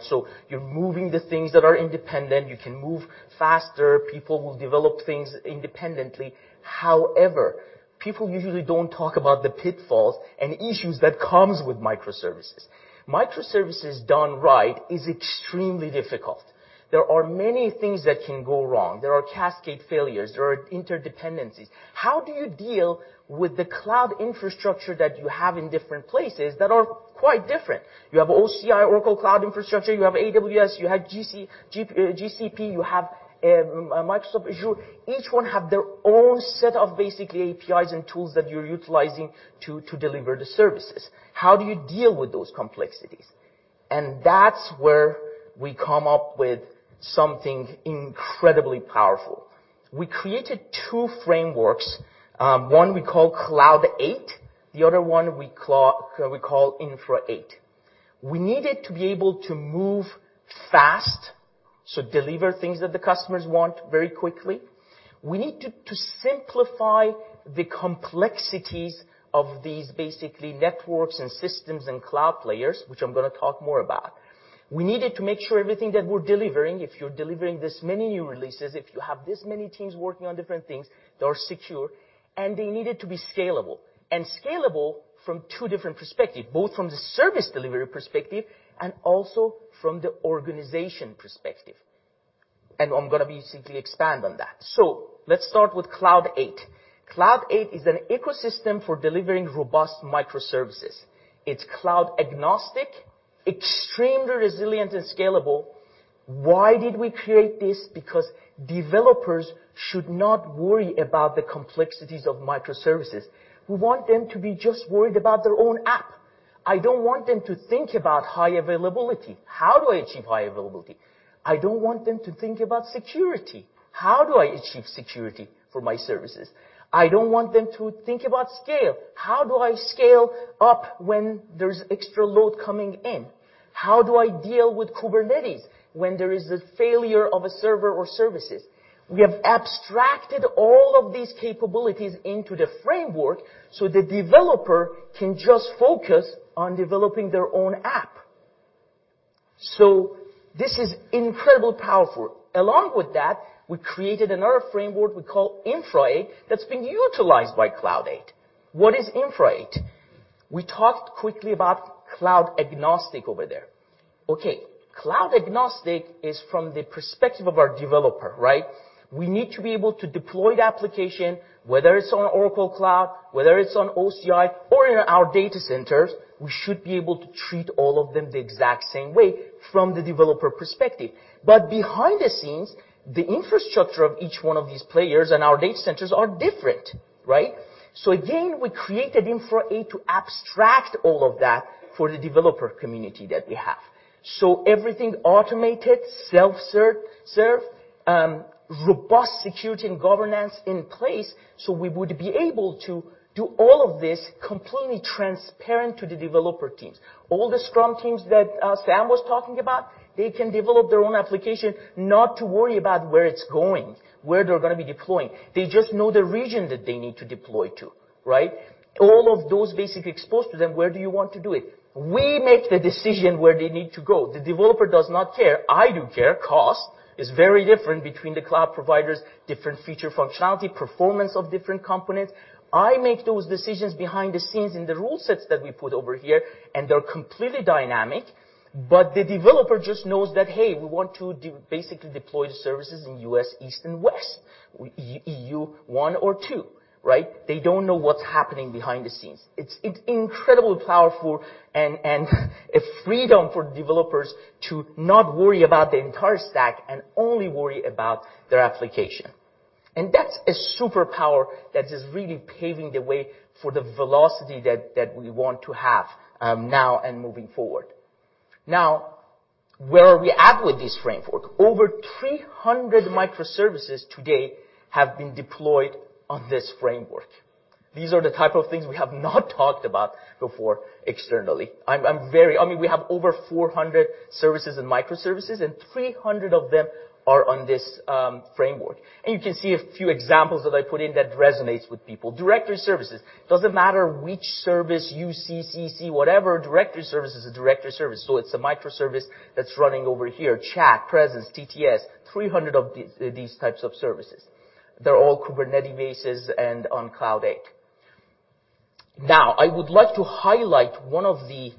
You're moving the things that are independent, you can move faster, people will develop things independently. However, people usually don't talk about the pitfalls and issues that comes with microservices. Microservices done right is extremely difficult. There are many things that can go wrong. There are cascade failures. There are interdependencies. How do you deal with the cloud infrastructure that you have in different places that are quite different? You have OCI, Oracle Cloud Infrastructure, you have AWS, you have GCP, you have Microsoft Azure. Each one has their own set of basically APIs and tools that you're utilizing to deliver the services. How do you deal with those complexities? That's where we come up with something incredibly powerful. We created two frameworks, one we call Cloud Eight, the other one we call Infra Eight. We needed to be able to move fast, so deliver things that the customers want very quickly. We need to simplify the complexities of these basically networks and systems and cloud players, which I'm gonna talk more about. We needed to make sure everything that we're delivering, if you're delivering this many new releases, if you have this many teams working on different things, they are secure, and they needed to be scalable. Scalable from two different perspective, both from the service delivery perspective and also from the organization perspective. I'm gonna be simply expand on that. Let's start with Cloud Eight. Cloud Eight is an ecosystem for delivering robust microservices. It's cloud agnostic, extremely resilient and scalable. Why did we create this? Developers should not worry about the complexities of microservices. We want them to be just worried about their own app. I don't want them to think about high availability. How do I achieve high availability? I don't want them to think about security. How do I achieve security for my services? I don't want them to think about scale. How do I scale up when there's extra load coming in? How do I deal with Kubernetes when there is a failure of a server or services? We have abstracted all of these capabilities into the framework so the developer can just focus on developing their own app. This is incredibly powerful. Along with that, we created another framework we call Infra Eight, that's been utilized by Cloud Eight. What is Infra Eight? We talked quickly about cloud agnostic over there. Cloud agnostic is from the perspective of our developer, right? We need to be able to deploy the application, whether it's on Oracle Cloud, whether it's on OCI or in our data centers, we should be able to treat all of them the exact same way from the developer perspective. Behind the scenes, the infrastructure of each one of these players and our data centers are different, right? Again, we created Infra Eight to abstract all of that for the developer community that we have. Everything automated, self-serve, robust security and governance in place, so we would be able to do all of this completely transparent to the developer teams. All the Scrum teams that Sam was talking about, they can develop their own application, not to worry about where it's going, where they're gonna be deploying. They just know the region that they need to deploy to, right? All of those basically exposed to them. Where do you want to do it? We make the decision where they need to go. The developer does not care. I do care. Cost is very different between the cloud providers, different feature functionality, performance of different components. I make those decisions behind the scenes in the rule sets that we put over here. They're completely dynamic. The developer just knows that, hey, we want to basically deploy the services in U.S., East and West, E.U., one or two, right? They don't know what's happening behind the scenes. It's incredibly powerful and a freedom for developers to not worry about the entire stack and only worry about their application. That's a superpower that is really paving the way for the velocity that we want to have now and moving forward. Where are we at with this framework? Over 300 microservices to date have been deployed on this framework. These are the type of things we have not talked about before externally. I'm very... I mean, we have over 400 services and microservices, 300 of them are on this framework. You can see a few examples that I put in that resonates with people. Directory services. Doesn't matter which service, UCC, whatever, directory service is a directory service. It's a microservice that's running over here. Chat, presence, TTS, 300 of these types of services. They're all Kubernetes-based and on Cloud Eight. I would like to highlight one of the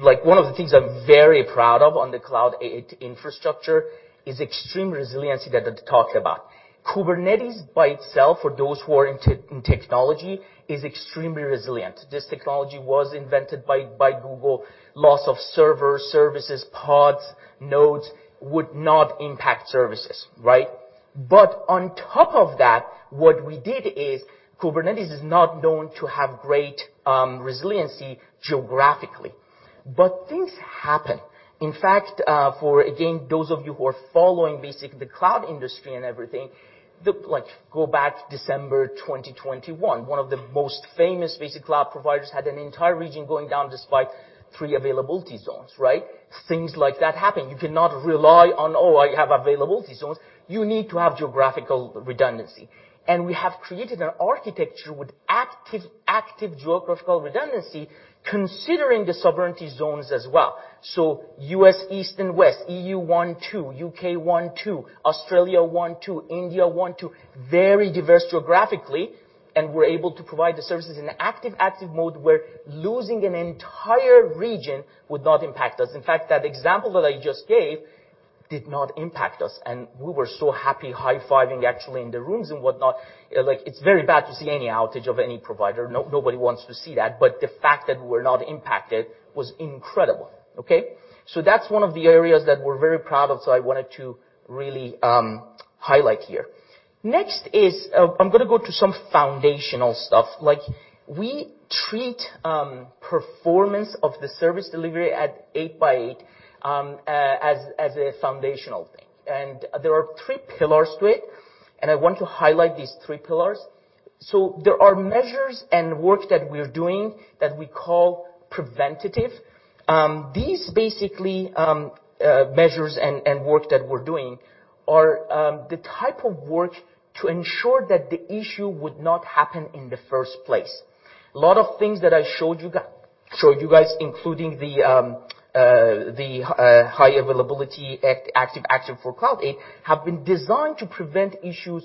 like one of the things I'm very proud of on the Cloud Eight infrastructure is extreme resiliency that I talked about. Kubernetes by itself, for those who are in technology, is extremely resilient. This technology was invented by Google. Loss of server, services, pods, nodes would not impact services, right? On top of that, what we did is Kubernetes is not known to have great resiliency geographically. Things happen. In fact, for again, those of you who are following basically the cloud industry and everything, go back December 2021, one of the most famous basic cloud providers had an entire region going down despite three availability zones, right? Things like that happen. You cannot rely on, "Oh, I have availability zones." You need to have geographical redundancy. We have created an architecture with active geographical redundancy, considering the sovereignty zones as well. U.S; East and West, E.U; one, two, U.K; one, two, Australia; one, two, India; one, two, very diverse geographically, and we're able to provide the services in an active mode where losing an entire region would not impact us. In fact, that example that I just gave did not impact us, and we were so happy high-fiving actually in the rooms and whatnot. Like it's very bad to see any outage of any provider. Nobody wants to see that, but the fact that we're not impacted was incredible, okay? That's one of the areas that we're very proud of, so I wanted to really highlight here. Next is, I'm gonna go to some foundational stuff. Like we treat performance of the service delivery at 8x8 as a foundational thing. There are three pillars to it, and I want to highlight these three pillars. There are measures and work that we're doing that we call preventative. These basically measures and work that we're doing are the type of work to ensure that the issue would not happen in the first place. A lot of things that I showed you guys, including the high availability active for Cloud Eight, have been designed to prevent issues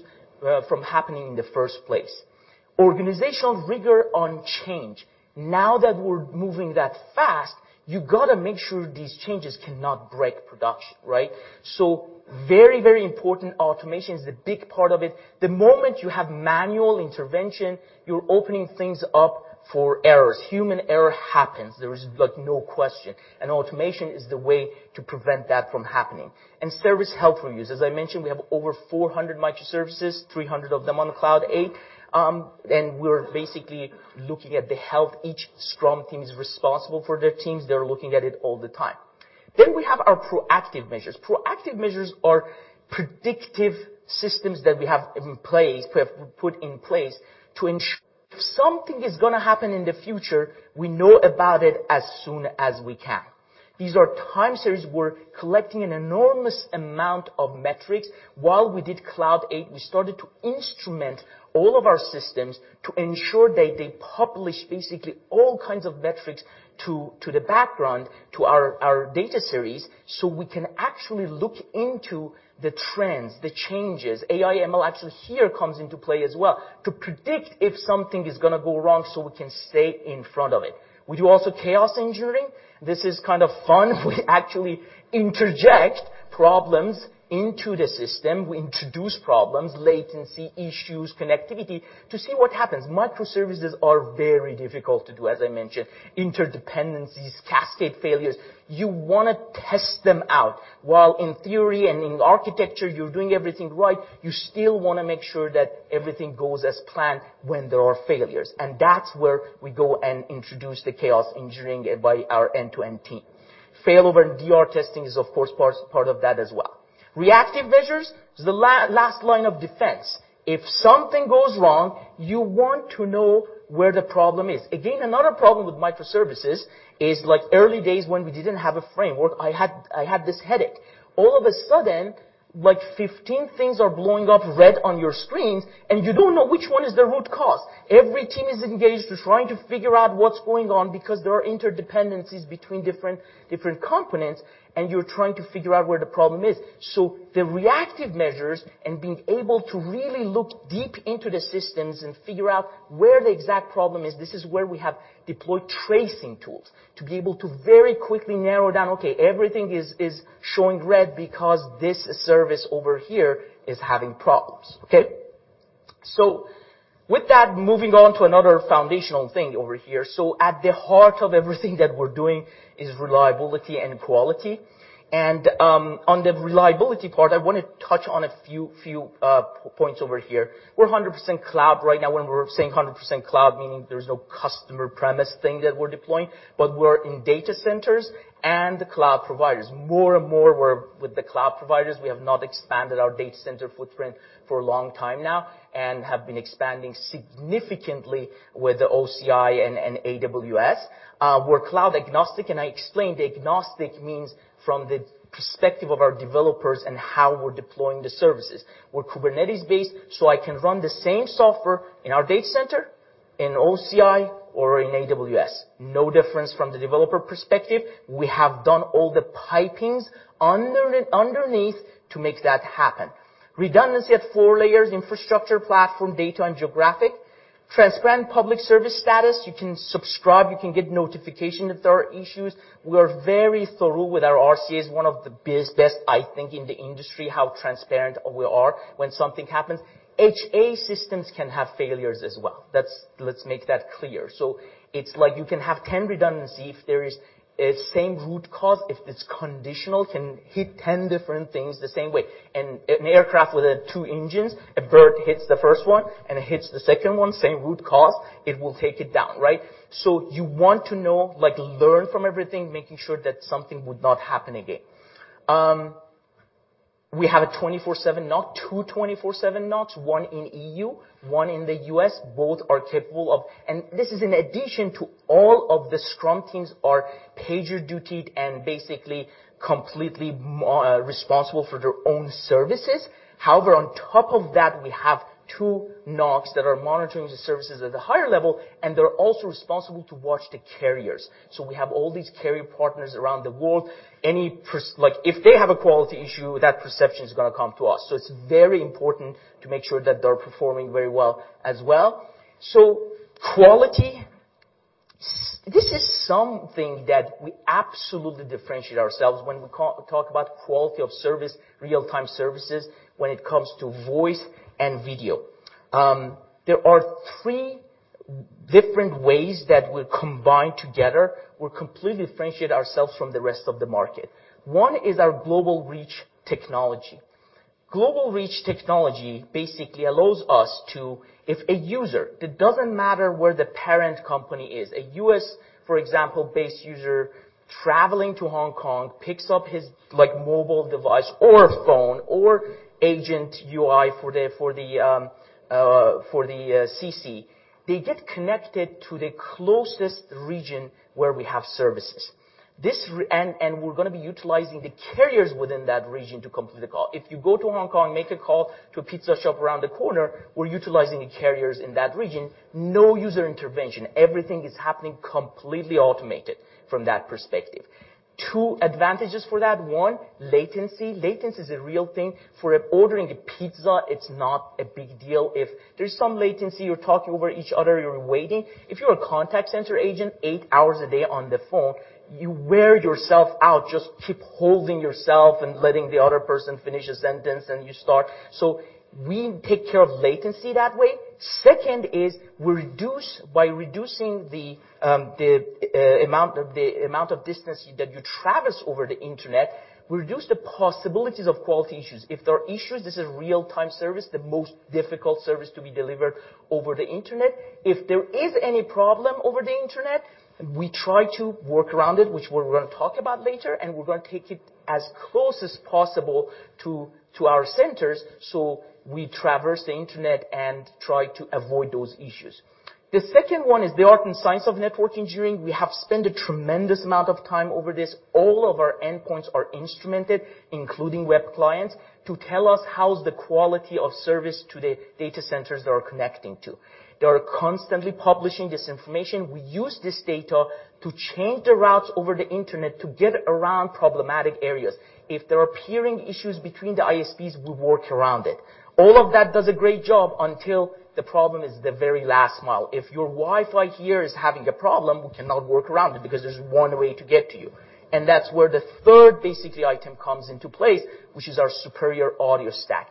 from happening in the first place. Organizational rigor on change. That we're moving that fast, you gotta make sure these changes cannot break production, right? Very important. Automation is the big part of it. The moment you have manual intervention, you're opening things up for errors. Human error happens. There is, like, no question. Automation is the way to prevent that from happening. Service health reviews. As I mentioned, we have over 400 microservices, 300 of them on Cloud Eight. We're basically looking at the health. Each Scrum team is responsible for their teams. They're looking at it all the time. We have our proactive measures. Proactive measures are predictive systems that we have put in place to ensure if something is gonna happen in the future, we know about it as soon as we can. These are time series. We're collecting an enormous amount of metrics. While we did Cloud Eight, we started to instrument all of our systems to ensure that they publish basically all kinds of metrics to the background, to our data series, so we can actually look into the trends, the changes. AI/ML actually here comes into play as well, to predict if something is gonna go wrong, so we can stay in front of it. We do also chaos engineering. This is kind of fun. We actually interject problems into the system. We introduce problems, latency issues, connectivity, to see what happens. microservices are very difficult to do, as I mentioned. Interdependencies, cascade failures. You wanna test them out. While in theory and in architecture, you're doing everything right, you still wanna make sure that everything goes as planned when there are failures. That's where we go and introduce the chaos engineering by our end-to-end team. Failover and DR testing is, of course, part of that as well. Reactive measures is the last line of defense. If something goes wrong, you want to know where the problem is. Again, another problem with microservices is like early days when we didn't have a framework, I had this headache. All of a sudden, like 15 things are blowing up red on your screens, you don't know which one is the root cause. Every team is engaged to trying to figure out what's going on because there are interdependencies between different components, and you're trying to figure out where the problem is. The reactive measures and being able to really look deep into the systems and figure out where the exact problem is, this is where we have deployed tracing tools to be able to very quickly narrow down, okay, everything is showing red because this service over here is having problems. Okay? With that, moving on to another foundational thing over here. At the heart of everything that we're doing is reliability and quality. On the reliability part, I wanna touch on a few points over here. We're 100% cloud right now. When we're saying 100% cloud, meaning there's no customer premise thing that we're deploying, but we're in data centers and the cloud providers. More and more we're with the cloud providers. We have not expanded our data center footprint for a long time now and have been expanding significantly with OCI and AWS. We're cloud agnostic, and I explained agnostic means from the perspective of our developers and how we're deploying the services. We're Kubernetes-based, so I can run the same software in our data center, in OCI, or in AWS. No difference from the developer perspective. We have done all the pipings underneath to make that happen. Redundancy at 4 layers infrastructure, platform, data, and geographic. Transparent public service status. You can subscribe, you can get notification if there are issues. We are very thorough with our RCAs, one of the best, I think, in the industry, how transparent we are when something happens. HA systems can have failures as well. Let's make that clear. It's like you can have 10 redundancy if there is a same root cause, if it's conditional, can hit 10 different things the same way. An aircraft with two engines, a bird hits the first one, and it hits the second one, same root cause, it will take it down, right? You want to know, like learn from everything, making sure that something would not happen again. We have a 24/7 NOC, two 24/7 NOCs, one in E.U., one in the U.S. Both are capable of... This is in addition to all of the Scrum teams are PagerDuty'd and basically completely responsible for their own services. On top of that, we have two NOCs that are monitoring the services at a higher level, and they're also responsible to watch the carriers. We have all these carrier partners around the world. Like, if they have a quality issue, that perception is gonna come to us. It's very important to make sure that they're performing very well as well. Quality, this is something that we absolutely differentiate ourselves when we talk about quality of service, real-time services when it comes to voice and video. There are three different ways that we combine together. We completely differentiate ourselves from the rest of the market. One is our Global Reach technology. Global Reach technology basically allows us to, if a user, it doesn't matter where the parent company is, a U.S., for example, based user traveling to Hong Kong, picks up his, like, mobile device or phone or agent UI for the CC, they get connected to the closest region where we have services. We're gonna be utilizing the carriers within that region to complete the call. If you go to Hong Kong, make a call to a pizza shop around the corner, we're utilizing the carriers in that region. No user intervention. Everything is happening completely automated from that perspective. Two advantages for that. One, latency. Latency is a real thing. For ordering a pizza, it's not a big deal. If there's some latency, you're talking over each other, you're waiting. If you're a Contact Center agent eight hours a day on the phone, you wear yourself out, just keep holding yourself and letting the other person finish a sentence, then you start. We take care of latency that way. Second is by reducing the amount of distance that you traverse over the Internet, we reduce the possibilities of quality issues. If there are issues, this is real-time service, the most difficult service to be delivered over the Internet. If there is any problem over the Internet, we try to work around it, which we're gonna talk about later, and we're gonna take it as close as possible to our centers, so we traverse the Internet and try to avoid those issues. The second one is the art and science of network engineering. We have spent a tremendous amount of time over this. All of our endpoints are instrumented, including web clients, to tell us how's the quality of service to the data centers they are connecting to. They are constantly publishing this information. We use this data to change the routes over the internet to get around problematic areas. If there are peering issues between the ISPs, we work around it. All of that does a great job until the problem is the very last mile. If your Wi-Fi here is having a problem, we cannot work around it because there's one way to get to you. That's where the third basically item comes into place, which is our superior audio stack,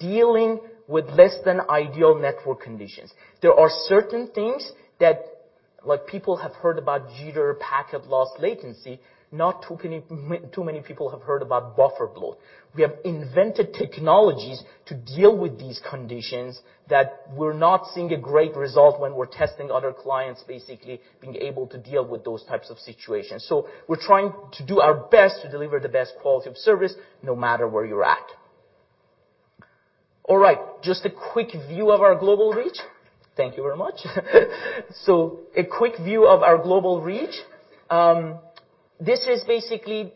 dealing with less than ideal network conditions. There are certain things that, like people have heard about jitter, packet loss, latency. Not too many people have heard about bufferbloat. We have invented technologies to deal with these conditions that we're not seeing a great result when we're testing other clients basically being able to deal with those types of situations. We're trying to do our best to deliver the best quality of service no matter where you're at. All right, just a quick view of our Global Reach. Thank you very much. A quick view of our Global Reach. This is basically,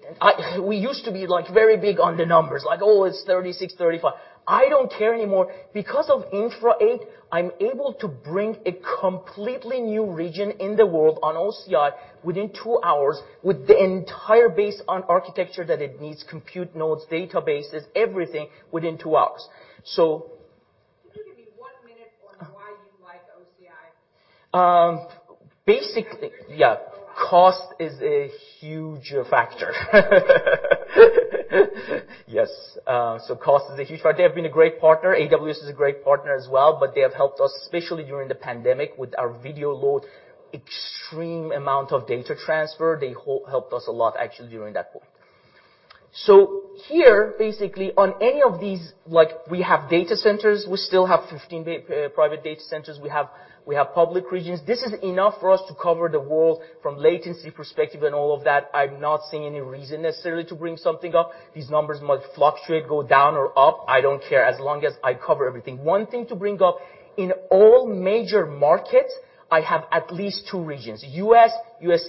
we used to be like very big on the numbers, like, "Oh, it's 36, 35." I don't care anymore. Because of Infra Eight, I'm able to bring a completely new region in the world on OCI within two hours with the entire base on architecture that it needs, compute nodes, databases, everything within two hours. Can you give me one minute on why you like OCI? Cost is a huge factor. Yes. Cost is a huge factor. They have been a great partner. AWS is a great partner as well, but they have helped us, especially during the pandemic with our video load, extreme amount of data transfer. They helped us a lot actually during that point. Here, basically, on any of these, like we have data centers, we still have 15 private data centers. We have public regions. This is enough for us to cover the world from latency perspective and all of that. I'm not seeing any reason necessarily to bring something up. These numbers might fluctuate, go down or up. I don't care as long as I cover everything. One thing to bring up, in all major markets, I have at least two regions: U.S.;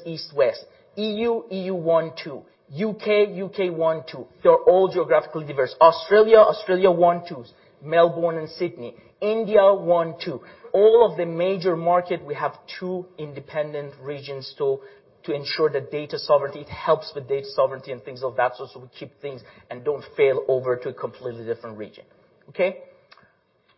East, West; E.U; E.U., one, two; U.K.; U.K., one, two. They're all geographically diverse. Australia one, two's, Melbourne and Sydney. India, one, two. All of the major market, we have two independent regions to ensure the data sovereignty. It helps with data sovereignty and things of that sort, so we keep things and don't fail over to a completely different region. Okay.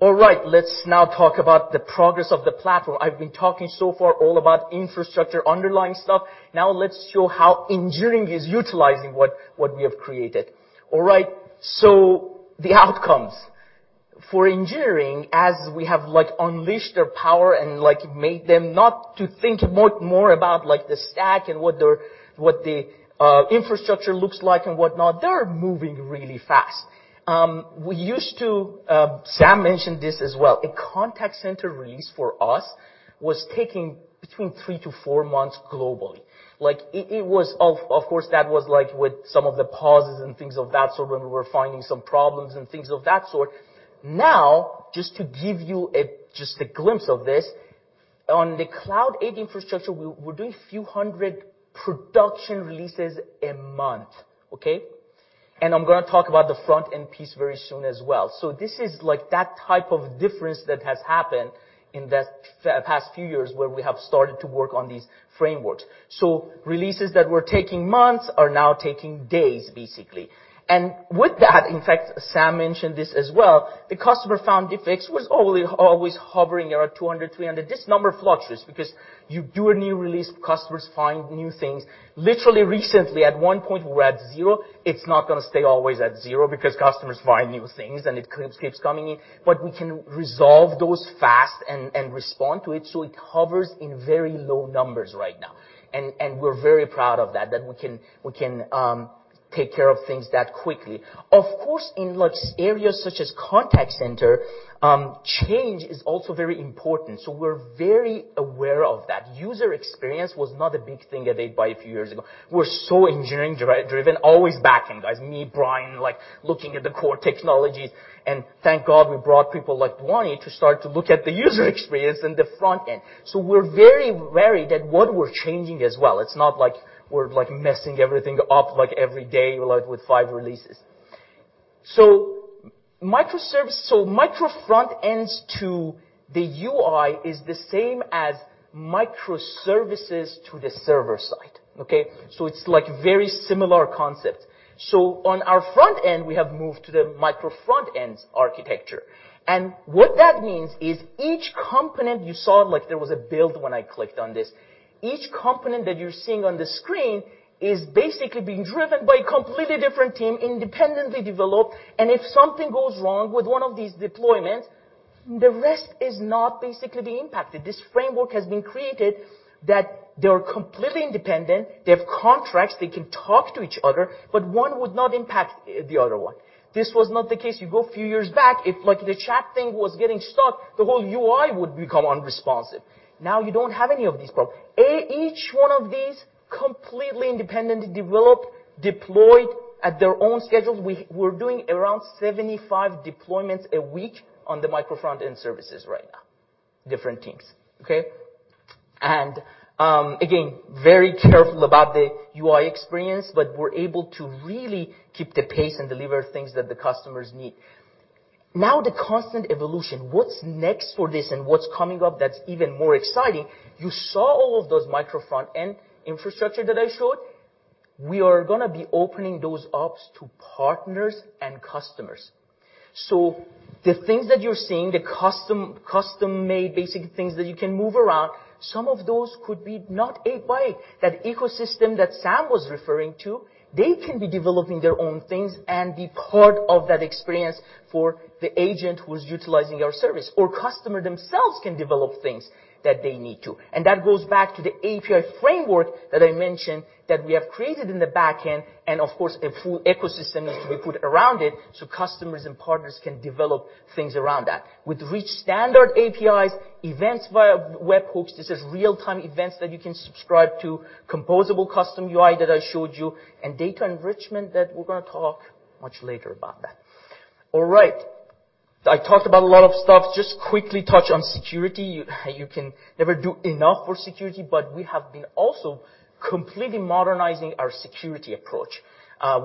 All right, let's now talk about the progress of the platform. I've been talking so far all about infrastructure underlying stuff. Now let's show how engineering is utilizing what we have created. All right, the outcomes. For engineering, as we have like unleashed their power and like made them not to think more, more about like the stack and what the infrastructure looks like and whatnot, they are moving really fast. We used to, Sam mentioned this as well. A Contact Center release for us was taking between three to four months globally. Like it was, of course, that was like with some of the pauses and things of that sort when we were finding some problems and things of that sort. Now, just to give you a glimpse of this, on the Cloud Eight infrastructure, we're doing a few hundred production releases a month, okay? I'm gonna talk about the front-end piece very soon as well. This is like that type of difference that has happened in the past few years where we have started to work on these frameworks. Releases that were taking months are now taking days, basically. With that, in fact, Sam mentioned this as well, the customer-found defects were always hovering around 200, 300. This number fluctuates because you do a new release, customers find new things. Literally recently, at one point we're at zero. It's not gonna stay always at zero because customers find new things and it keeps coming in. We can resolve those fast and respond to it so it hovers in very low numbers right now, and we're very proud of that we can take care of things that quickly. Of course, in like areas such as Contact Center, change is also very important, so we're very aware of that. User experience was not a big thing at 8x8 a few years ago. We're so engineering-driven, always backing, as me, Brian, like looking at the core technologies, and thank God we brought people like Ronnie to start to look at the user experience and the front end. We're very wary that what we're changing as well. It's not like we're like messing everything up like every day, like with five releases. Micro frontends to the UI is the same as microservices to the server side, okay? It's like very similar concepts. On our front end, we have moved to the micro frontends architecture. What that means is each component you saw, like there was a build when I clicked on this. Each component that you're seeing on the screen is basically being driven by a completely different team, independently developed, and if something goes wrong with one of these deployments, the rest is not basically being impacted. This framework has been created that they are completely independent. They have contracts. They can talk to each other, but one would not impact the other one. This was not the case. You go a few years back, if like the chat thing was getting stuck, the whole UI would become unresponsive. Now you don't have any of these problems. Each one of these completely independently developed, deployed at their own schedules. We're doing around 75 deployments a week on the micro front-end services right now, different teams, okay? Again, very careful about the UI experience, but we're able to really keep the pace and deliver things that the customers need. The constant evolution, what's next for this and what's coming up that's even more exciting, you saw all of those micro frontends infrastructure that I showed. We are gonna be opening those up to partners and customers. The things that you're seeing, the custom-made basic things that you can move around, some of those could be not 8x8. That ecosystem that Sam was referring to, they can be developing their own things and be part of that experience for the agent who is utilizing our service or customer themselves can develop things that they need to. That goes back to the API framework that I mentioned that we have created in the back end. Of course, a full ecosystem needs to be put around it so customers and partners can develop things around that. With rich standard APIs, events via webhooks, this is real-time events that you can subscribe to, composable custom UI that I showed you. Data enrichment that we're gonna talk much later about that. All right. I talked about a lot of stuff. Just quickly touch on security. You can never do enough for security. We have been also completely modernizing our security approach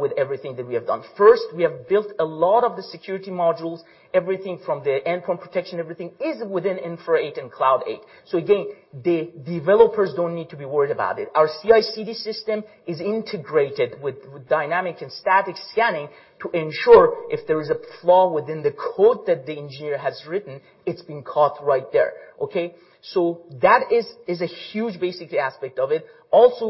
with everything that we have done. First, we have built a lot of the security modules, everything from the endpoint protection, everything is within Infra Eight and Cloud Eight. Again, the developers don't need to be worried about it. Our CI/CD system is integrated with dynamic and static scanning to ensure if there is a flaw within the code that the engineer has written, it's been caught right there, okay? That is a huge basically aspect of it.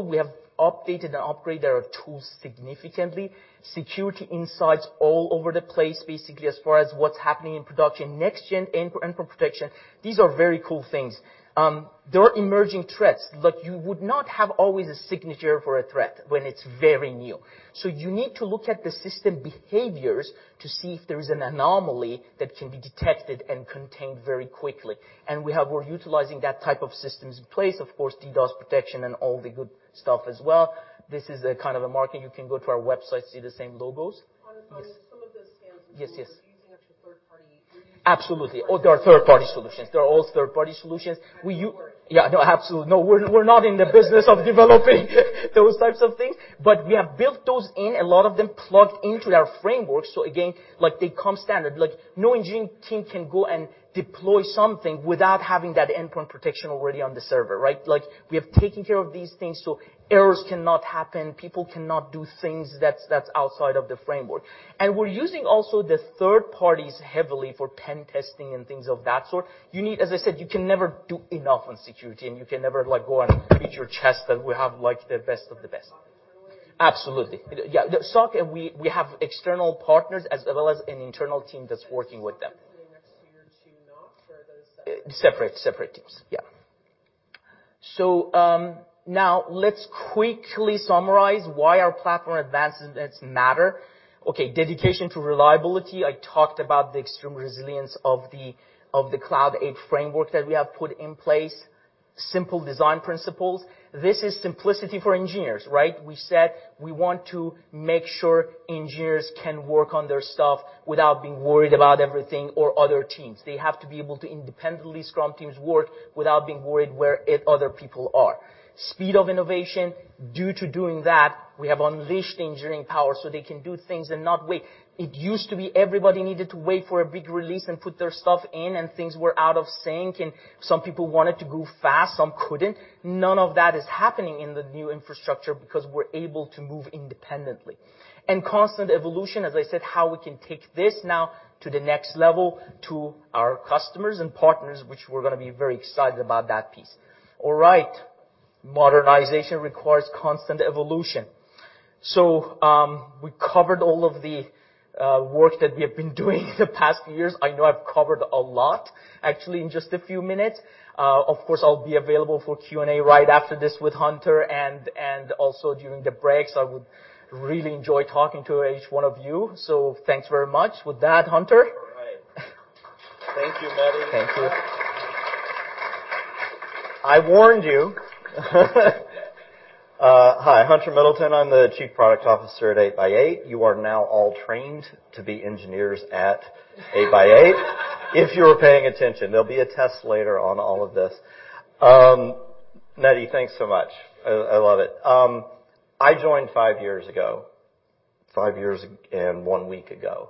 We have updated and upgraded our tools significantly. Security insights all over the place, basically as far as what's happening in production. Next gen endpoint protection. These are very cool things. There are emerging threats. Like you would not have always a signature for a threat when it's very new. You need to look at the system behaviors to see if there is an anomaly that can be detected and contained very quickly. We're utilizing that type of systems in place, of course, DDoS protection and all the good stuff as well. This is a kind of a market. You can go to our website, see the same logos. On some of those scans as well. Yes, yes. Are you using it to third party? Are you using- Absolutely. They are third-party solutions. They're all third-party solutions. Kind of core. Absolutely. We're not in the business of developing those types of things, but we have built those in, a lot of them plugged into our framework. Again, like they come standard. No engineering team can go and deploy something without having that endpoint protection already on the server, right? We have taken care of these things, errors cannot happen. People cannot do things that's outside of the framework. We're using also the third parties heavily for Penetration testing and things of that sort. As I said, you can never do enough on security, you can never like go and beat your chest that we have like the best of the best. SOC? Absolutely. Yeah. SOC, we have external partners as well as an internal team that's working with them. To not or are those separate? Separate teams. Now let's quickly summarize why our platform advances matter. Dedication to reliability. I talked about the extreme resilience of the Cloud Eight framework that we have put in place. Simple design principles. This is simplicity for engineers, right? We said we want to make sure engineers can work on their stuff without being worried about everything or other teams. They have to be able to independently, Scrum teams, work without being worried where other people are. Speed of innovation. Due to doing that, we have unleashed engineering power so they can do things and not wait. It used to be everybody needed to wait for a big release and put their stuff in, and things were out of sync, and some people wanted to go fast, some couldn't. None of that is happening in the new infrastructure because we're able to move independently. Constant evolution, as I said, how we can take this now to the next level to our customers and partners, which we're gonna be very excited about that piece. All right. Modernization requires constant evolution. We covered all of the work that we have been doing the past few years. I know I've covered a lot, actually, in just a few minutes. Of course, I'll be available for Q&A right after this with Hunter and also during the breaks. I would really enjoy talking to each one of you. Thanks very much. With that, Hunter. All right. Thank you, Mehdi. Thank you. I warned you. Hi, Hunter Middleton. I'm the Chief Product Officer at 8x8. You are now all trained to be engineers at 8x8. If you were paying attention. There'll be a test later on all of this. Mehdi, thanks so much. I love it. I joined five years ago. Five years and one week ago.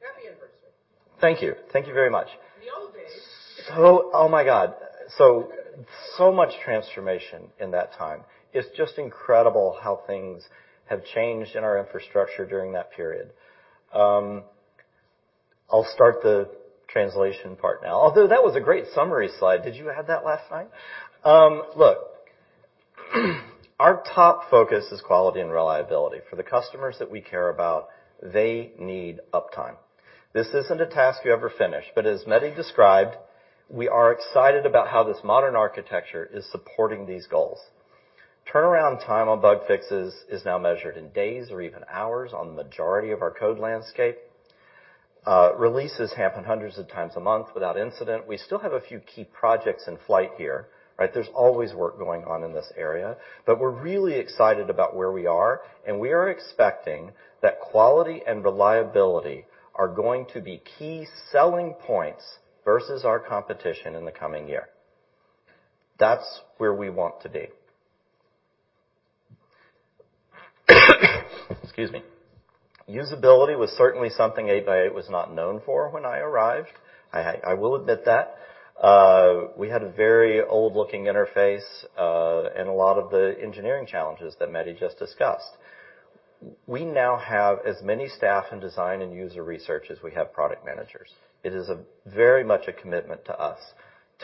Happy anniversary. Thank you. Thank you very much. In the old days. Oh my god. So much transformation in that time. It's just incredible how things have changed in our infrastructure during that period. I'll start the translation part now. Although that was a great summary slide. Did you have that last time? Look, our top focus is quality and reliability. For the customers that we care about, they need uptime. This isn't a task you ever finish, but as Mehdi described, we are excited about how this modern architecture is supporting these goals. Turnaround time on bug fixes is now measured in days or even hours on the majority of our code landscape. Releases happen hundreds of times a month without incident. We still have a few key projects in flight here, right? There's always work going on in this area, but we're really excited about where we are, and we are expecting that quality and reliability are going to be key selling points versus our competition in the coming year. That's where we want to be. Excuse me. Usability was certainly something 8x8 was not known for when I arrived. I will admit that. We had a very old-looking interface, and a lot of the engineering challenges that Mehdi just discussed. We now have as many staff in design and user research as we have product managers. It is a very much a commitment to us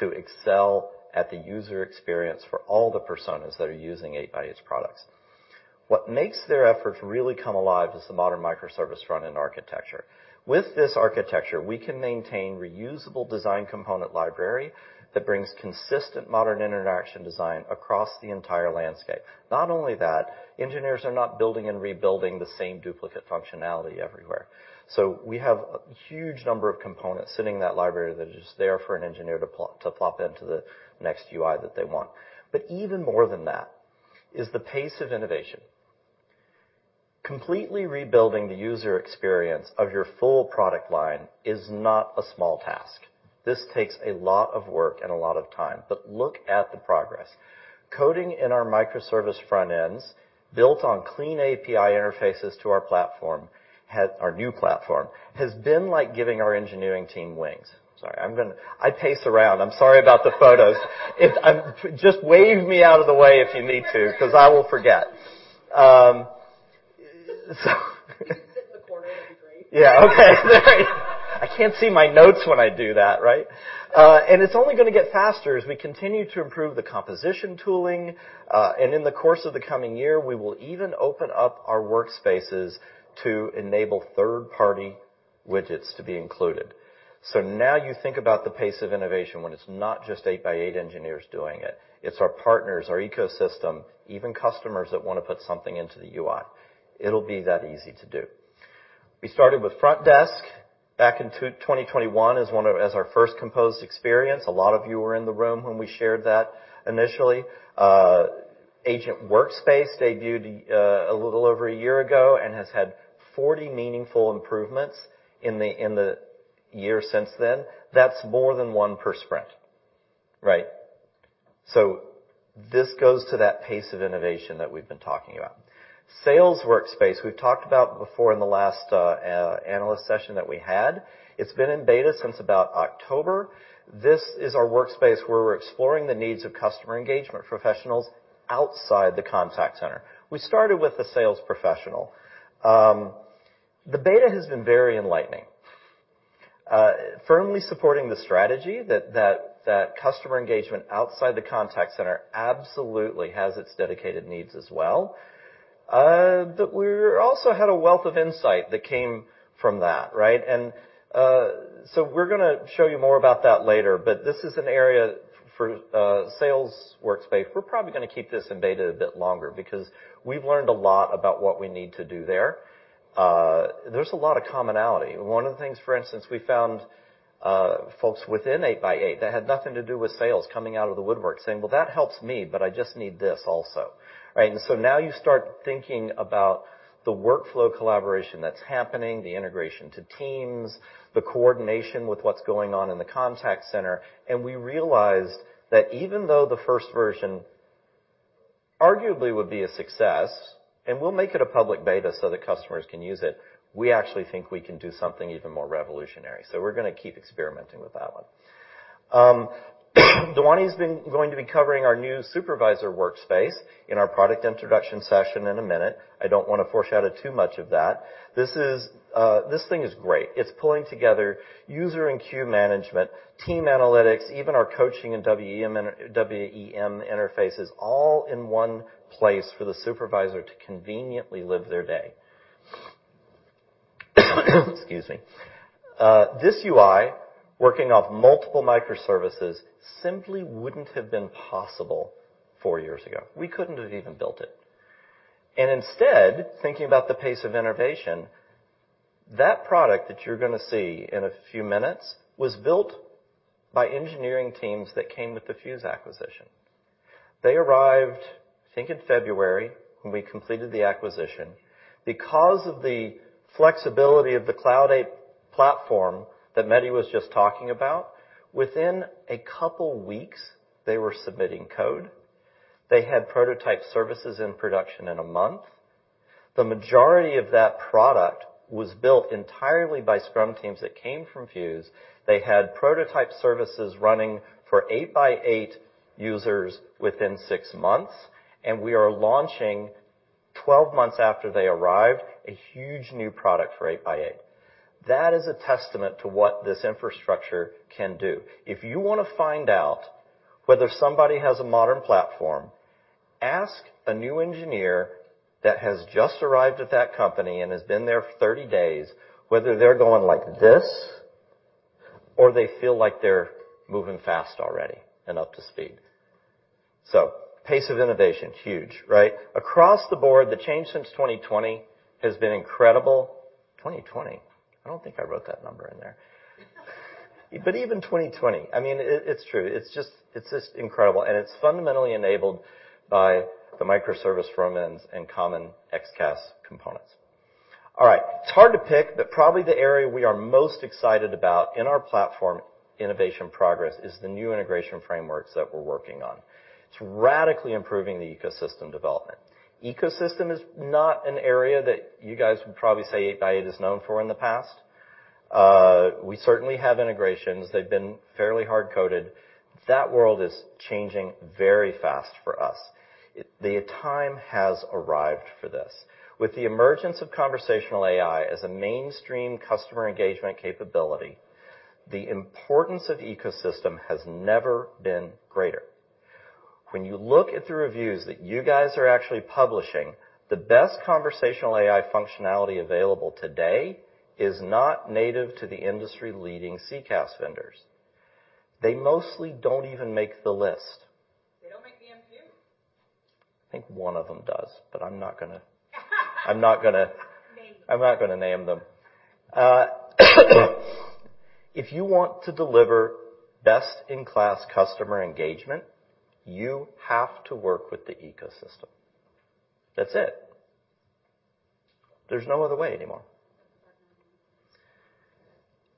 to excel at the user experience for all the personas that are using 8x8's products. What makes their efforts really come alive is the modern microservice frontend architecture. With this architecture, we can maintain reusable design component library that brings consistent modern interaction design across the entire landscape. Engineers are not building and rebuilding the same duplicate functionality everywhere. We have a huge number of components sitting in that library that are just there for an engineer to plop into the next UI that they want. Even more than that is the pace of innovation. Completely rebuilding the user experience of your full product line is not a small task. This takes a lot of work and a lot of time. Look at the progress. Coding in our microservice frontends built on clean API interfaces to our platform, our new platform, has been like giving our engineering team wings. Sorry, I'm gonna. I pace around. I'm sorry about the photos. If, just wave me out of the way if you need to 'cause I will forget. If you sit in the corner, it'd be great. Okay. I can't see my notes when I do that, right? It's only gonna get faster as we continue to improve the composition tooling. In the course of the coming year, we will even open up our workspaces to enable third-party widgets to be included. Now you think about the pace of innovation when it's not just 8x8 engineers doing it. It's our partners, our ecosystem, even customers that wanna put something into the UI. It'll be that easy to do. We started with Frontdesk back in 2021 as our first composed experience. A lot of you were in the room when we shared that initially. Agent Workspace debuted a little over a year ago and has had 40 meaningful improvements in the, in the year since then. That's more than one per sprint, right? This goes to that pace of innovation that we've been talking about. Sales Workspace, we've talked about before in the last analyst session that we had. It's been in beta since about October. This is our workspace where we're exploring the needs of customer engagement professionals outside the Contact Center. We started with a sales professional. The beta has been very enlightening. Firmly supporting the strategy that customer engagement outside the Contact Center absolutely has its dedicated needs as well. We're also had a wealth of insight that came from that, right? We're gonna show you more about that later, but this is an area for Sales Workspace. We're probably gonna keep this in beta a bit longer because we've learned a lot about what we need to do there. There's a lot of commonality. One of the things, for instance, we found folks within 8x8 that had nothing to do with sales coming out of the woodwork saying, "Well, that helps me, but I just need this also." Right? Now you start thinking about the workflow collaboration that's happening, the integration to Teams, the coordination with what's going on in the Contact Center, and we realized that even though the first version arguably would be a success, and we'll make it a public beta so that customers can use it, we actually think we can do something even more revolutionary. We're gonna keep experimenting with that one. Dhwani's been going to be covering our new Supervisor Workspace in our product introduction session in a minute. I don't wanna foreshadow too much of that. This thing is great. It's pulling together user and queue management, team analytics, even our coaching and WEM interfaces all in one place for the supervisor to conveniently live their day. Excuse me. This UI working off multiple microservices simply wouldn't have been possible four years ago. We couldn't have even built it. Instead, thinking about the pace of innovation, that product that you're gonna see in a few minutes was built by engineering teams that came with the Fuze acquisition. They arrived, I think, in February, when we completed the acquisition. Because of the flexibility of the Cloud Eight platform that Mehdi was just talking about, within a couple weeks, they were submitting code. They had prototype services in production in a month. The majority of that product was built entirely by Scrum teams that came from Fuze. They had prototype services running for 8x8 users within six months. We are launching 12 months after they arrived, a huge new product for 8x8. That is a testament to what this infrastructure can do. If you wanna find out whether somebody has a modern platform, ask a new engineer that has just arrived at that company and has been there for 30 days, whether they're going like this or they feel like they're moving fast already and up to speed. Pace of innovation, huge, right? Across the board, the change since 2020 has been incredible. 2020? I don't think I wrote that number in there. Even 2020. I mean, it's true. It's just incredible, and it's fundamentally enabled by the microservice front-ends and common XCaaS components. All right, it's hard to pick, but probably the area we are most excited about in our platform innovation progress is the new integration frameworks that we're working on. It's radically improving the ecosystem development. Ecosystem is not an area that you guys would probably say 8x8 is known for in the past. We certainly have integrations. They've been fairly hard-coded. That world is changing very fast for us. The time has arrived for this. With the emergence of conversational AI as a mainstream customer engagement capability, the importance of ecosystem has never been greater. When you look at the reviews that you guys are actually publishing, the best conversational AI functionality available today is not native to the industry-leading CCaaS vendors. They mostly don't even make the list. They don't make the MQ. I think one of them does, but I'm not gonna- I'm not gonna-. Name. I'm not gonna name them. If you want to deliver best-in-class customer engagement, you have to work with the ecosystem. That's it. There's no other way anymore.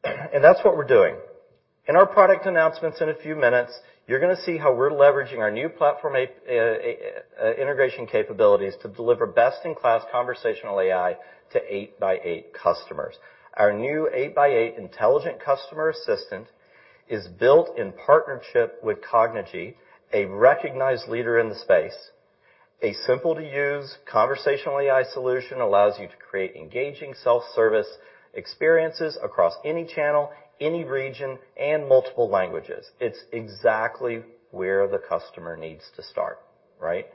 That's what we're doing. In our product announcements in a few minutes, you're gonna see how we're leveraging our new platform integration capabilities to deliver best-in-class conversational AI to 8x8 customers. Our new 8x8 Intelligent Customer Assistant is built in partnership with Cognigy, a recognized leader in the space. A simple-to-use conversational AI solution allows you to create engaging self-service experiences across any channel, any region, and multiple languages. It's exactly where the customer needs to start, right?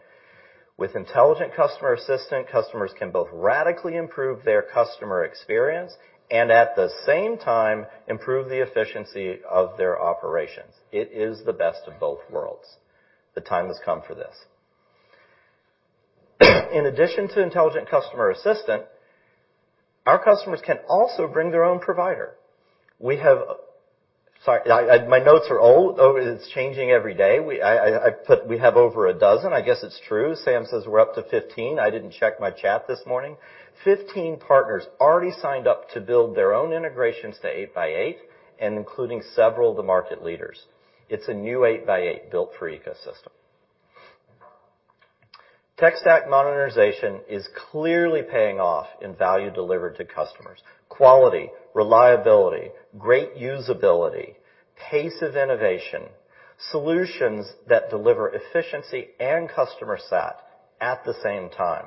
With Intelligent Customer Assistant, customers can both radically improve their customer experience and at the same time, improve the efficiency of their operations. It is the best of both worlds. The time has come for this. In addition to Intelligent Customer Assistant, our customers can also bring their own provider. Sorry, my notes are old, though it's changing every day. I put we have over 12. I guess it's true. Sam says we're up to 15. I didn't check my chat this morning. 15 partners already signed up to build their own integrations to 8x8 and including several of the market leaders. It's a new 8x8 built for ecosystem. Tech stack modernization is clearly paying off in value delivered to customers. Quality, reliability, great usability, pace of innovation, solutions that deliver efficiency and customer sat at the same time.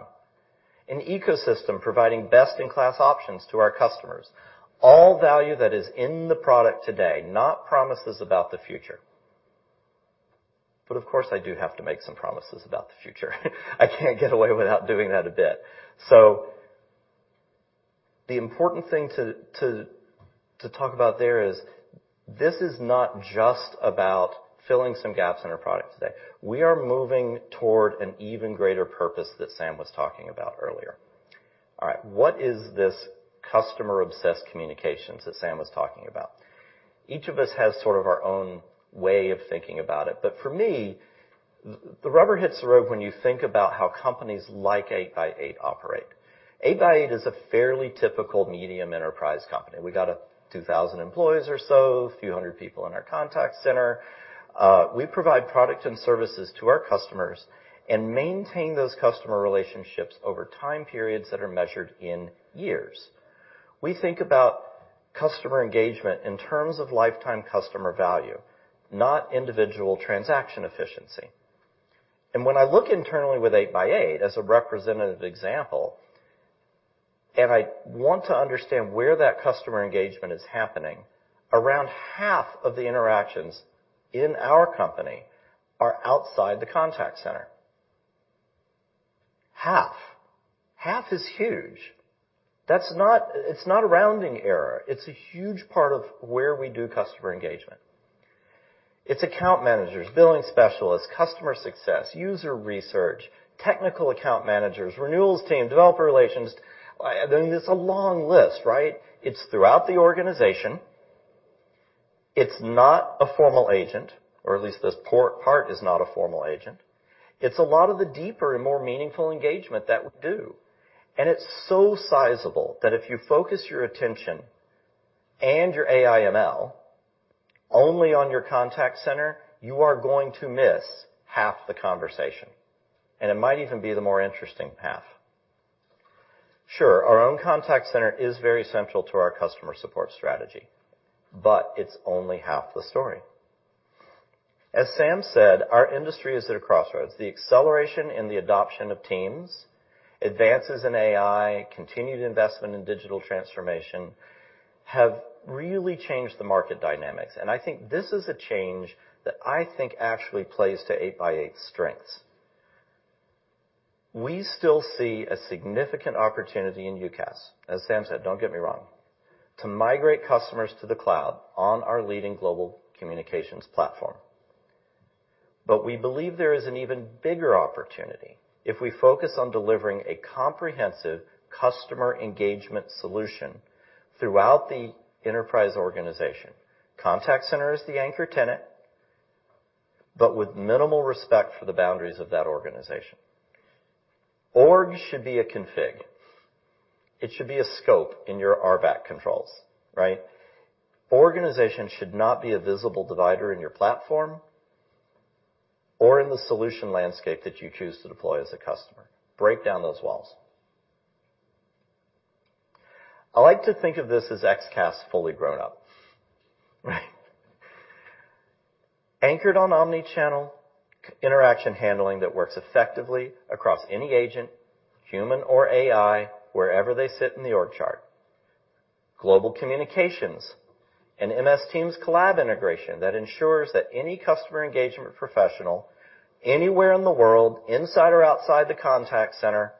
An ecosystem providing best-in-class options to our customers, all value that is in the product today, not promises about the future. Of course, I do have to make some promises about the future. I can't get away without doing that a bit. The important thing to talk about there is this is not just about filling some gaps in our products today. We are moving toward an even greater purpose that Sam was talking about earlier. All right, what is this customer-obsessed communications that Sam was talking about? Each of us has sort of our own way of thinking about it. For me, the rubber hits the road when you think about how companies like 8x8 operate. 8x8 is a fairly typical medium enterprise company. We got 2,000 employees or so, a few hundred people in our Contact Center. We provide product and services to our customers and maintain those customer relationships over time periods that are measured in years. We think about customer engagement in terms of lifetime customer value, not individual transaction efficiency. When I look internally with 8x8 as a representative example, and I want to understand where that customer engagement is happening, around half of the interactions in our company are outside the Contact Center. Half. Half is huge. It's not a rounding error. It's a huge part of where we do customer engagement. It's account managers, billing specialists, customer success, user research, technical account managers, renewals team, developer relations. Then it's a long list, right? It's throughout the organization. It's not a formal agent, or at least this part is not a formal agent. It's a lot of the deeper and more meaningful engagement that we do. It's so sizable that if you focus your attention and your AI/ML only on your Contact Center, you are going to miss half the conversation, and it might even be the more interesting half. Sure, our own Contact Center is very central to our customer support strategy, but it's only half the story. As Sam said, our industry is at a crossroads. The acceleration in the adoption of Teams, advances in AI, continued investment in digital transformation have really changed the market dynamics. I think this is a change that I think actually plays to 8x8's strengths. We still see a significant opportunity in UCaaS, as Sam said, don't get me wrong, to migrate customers to the cloud on our leading global communications platform. We believe there is an even bigger opportunity if we focus on delivering a comprehensive customer engagement solution throughout the enterprise organization. Contact center is the anchor tenant, but with minimal respect for the boundaries of that organization. Org should be a config. It should be a scope in your RBAC controls, right? Organization should not be a visible divider in your platform or in the solution landscape that you choose to deploy as a customer. Break down those walls. I like to think of this as XCaaS fully grown up. Right? Anchored on omnichannel interaction handling that works effectively across any agent, human or AI, wherever they sit in the org chart. Global communications and MS Teams collab integration that ensures that any customer engagement professional anywhere in the world, inside or outside the Contact Center,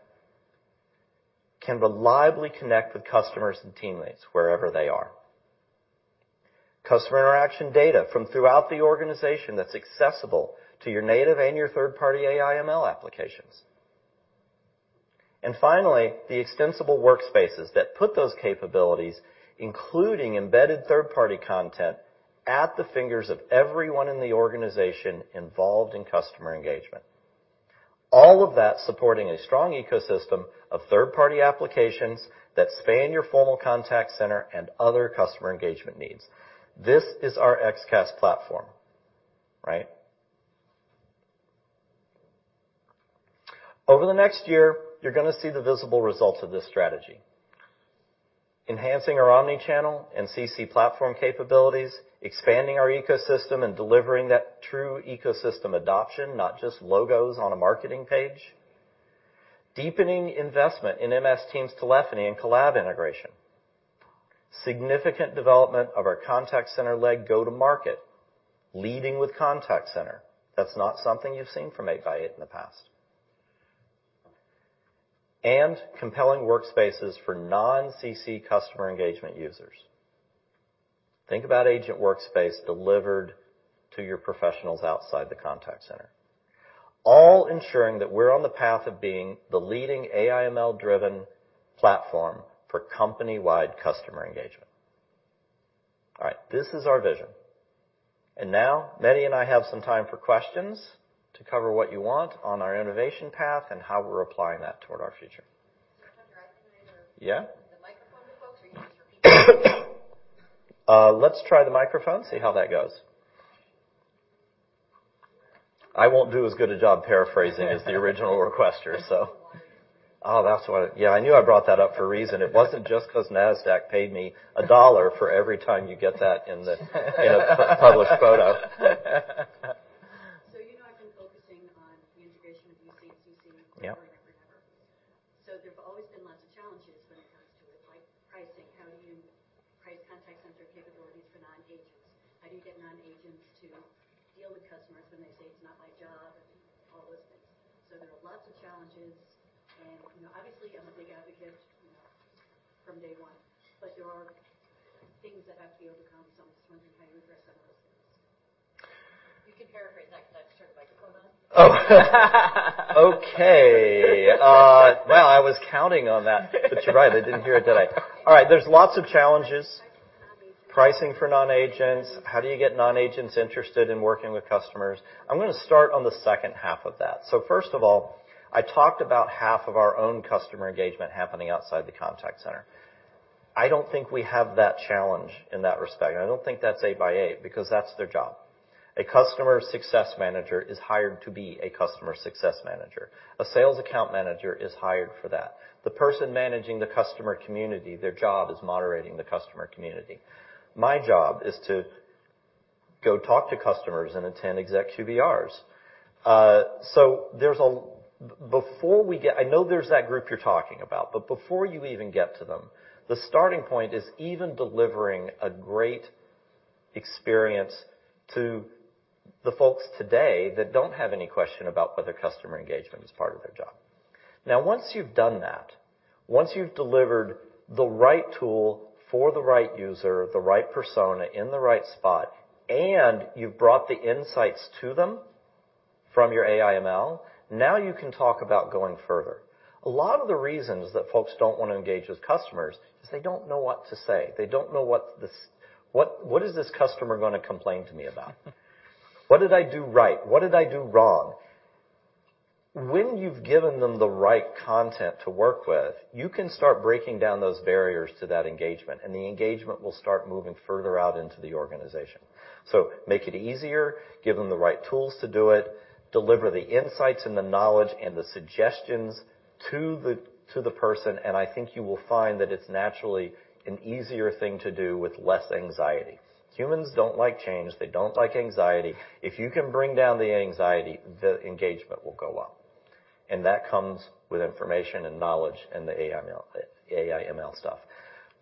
can reliably connect with customers and teammates wherever they are. Customer interaction data from throughout the organization that's accessible to your native and your third-party AI/ML applications. Finally, the extensible workspaces that put those capabilities, including embedded third-party content, at the fingers of everyone in the organization involved in customer engagement. All of that supporting a strong ecosystem of third-party applications that span your formal Contact Center and other customer engagement needs. This is our XCaaS platform, right? Over the next year, you're gonna see the visible results of this strategy. Enhancing our omnichannel and CC platform capabilities, expanding our ecosystem and delivering that true ecosystem adoption, not just logos on a marketing page. Deepening investment in MS Teams telephony and collab integration. Significant development of our Contact Center leg go-to-market, leading with Contact Center. That's not something you've seen from 8x8 in the past. Compelling workspaces for non-CC customer engagement users. Think about Agent Workspace delivered to your professionals outside the Contact Center. All ensuring that we're on the path of being the leading AI/ML-driven platform for company-wide customer engagement. All right, this is our vision. Now, Mehdi and I have some time for questions to cover what you want on our innovation path and how we're applying that toward our future. Hunter, I think we need to. Yeah. The microphone to folks or you just repeat it? Let's try the microphone, see how that goes. I won't do as good a job paraphrasing as the original requester, so. That's what... Yeah, I knew I brought that up for a reason. It wasn't just 'cause Nasdaq paid me $1 for every time you get that in the, in a published photo. you know I've been focusing on the integration of UC CC. Yeah There've always been lots of challenges when it comes to it, like pricing. How do you price Contact Center capabilities for non-agents? How do you get non-agents to deal with customers when they say, "It's not my job," and all those things? There are lots of challenges, and, you know, obviously, I'm a big advocate, you know, from day one, but there are things that have to be overcome. I'm just wondering how you address some of those things. You can paraphrase that 'cause I just turned the microphone on. Oh. Okay. Well, I was counting on that, but you're right. I didn't hear it, did I? All right, there's lots of challenges. Pricing for non-agents. Pricing for non-agents. How do you get non-agents interested in working with customers? I'm gonna start on the second half of that. First of all, I talked about half of our own customer engagement happening outside the Contact Center. I don't think we have that challenge in that respect. I don't think that's 8x8 because that's their job. A customer success manager is hired to be a customer success manager. A sales account manager is hired for that. The person managing the customer community, their job is moderating the customer community. My job is to go talk to customers and attend exec QBRs. There's a... before we get... I know there's that group you're talking about, but before you even get to them, the starting point is even delivering a great experience to the folks today that don't have any question about whether customer engagement is part of their job. Once you've done that, once you've delivered the right tool for the right user, the right persona in the right spot, and you've brought the insights to them from your AI/ML, now you can talk about going further. A lot of the reasons that folks don't wanna engage with customers is they don't know what to say. They don't know what is this customer gonna complain to me about? What did I do right? What did I do wrong? When you've given them the right content to work with, you can start breaking down those barriers to that engagement, and the engagement will start moving further out into the organization. Make it easier, give them the right tools to do it, deliver the insights and the knowledge and the suggestions to the person, and I think you will find that it's naturally an easier thing to do with less anxiety. Humans don't like change. They don't like anxiety. If you can bring down the anxiety, the engagement will go up. That comes with information and knowledge and the AI/ML, AI/ML stuff.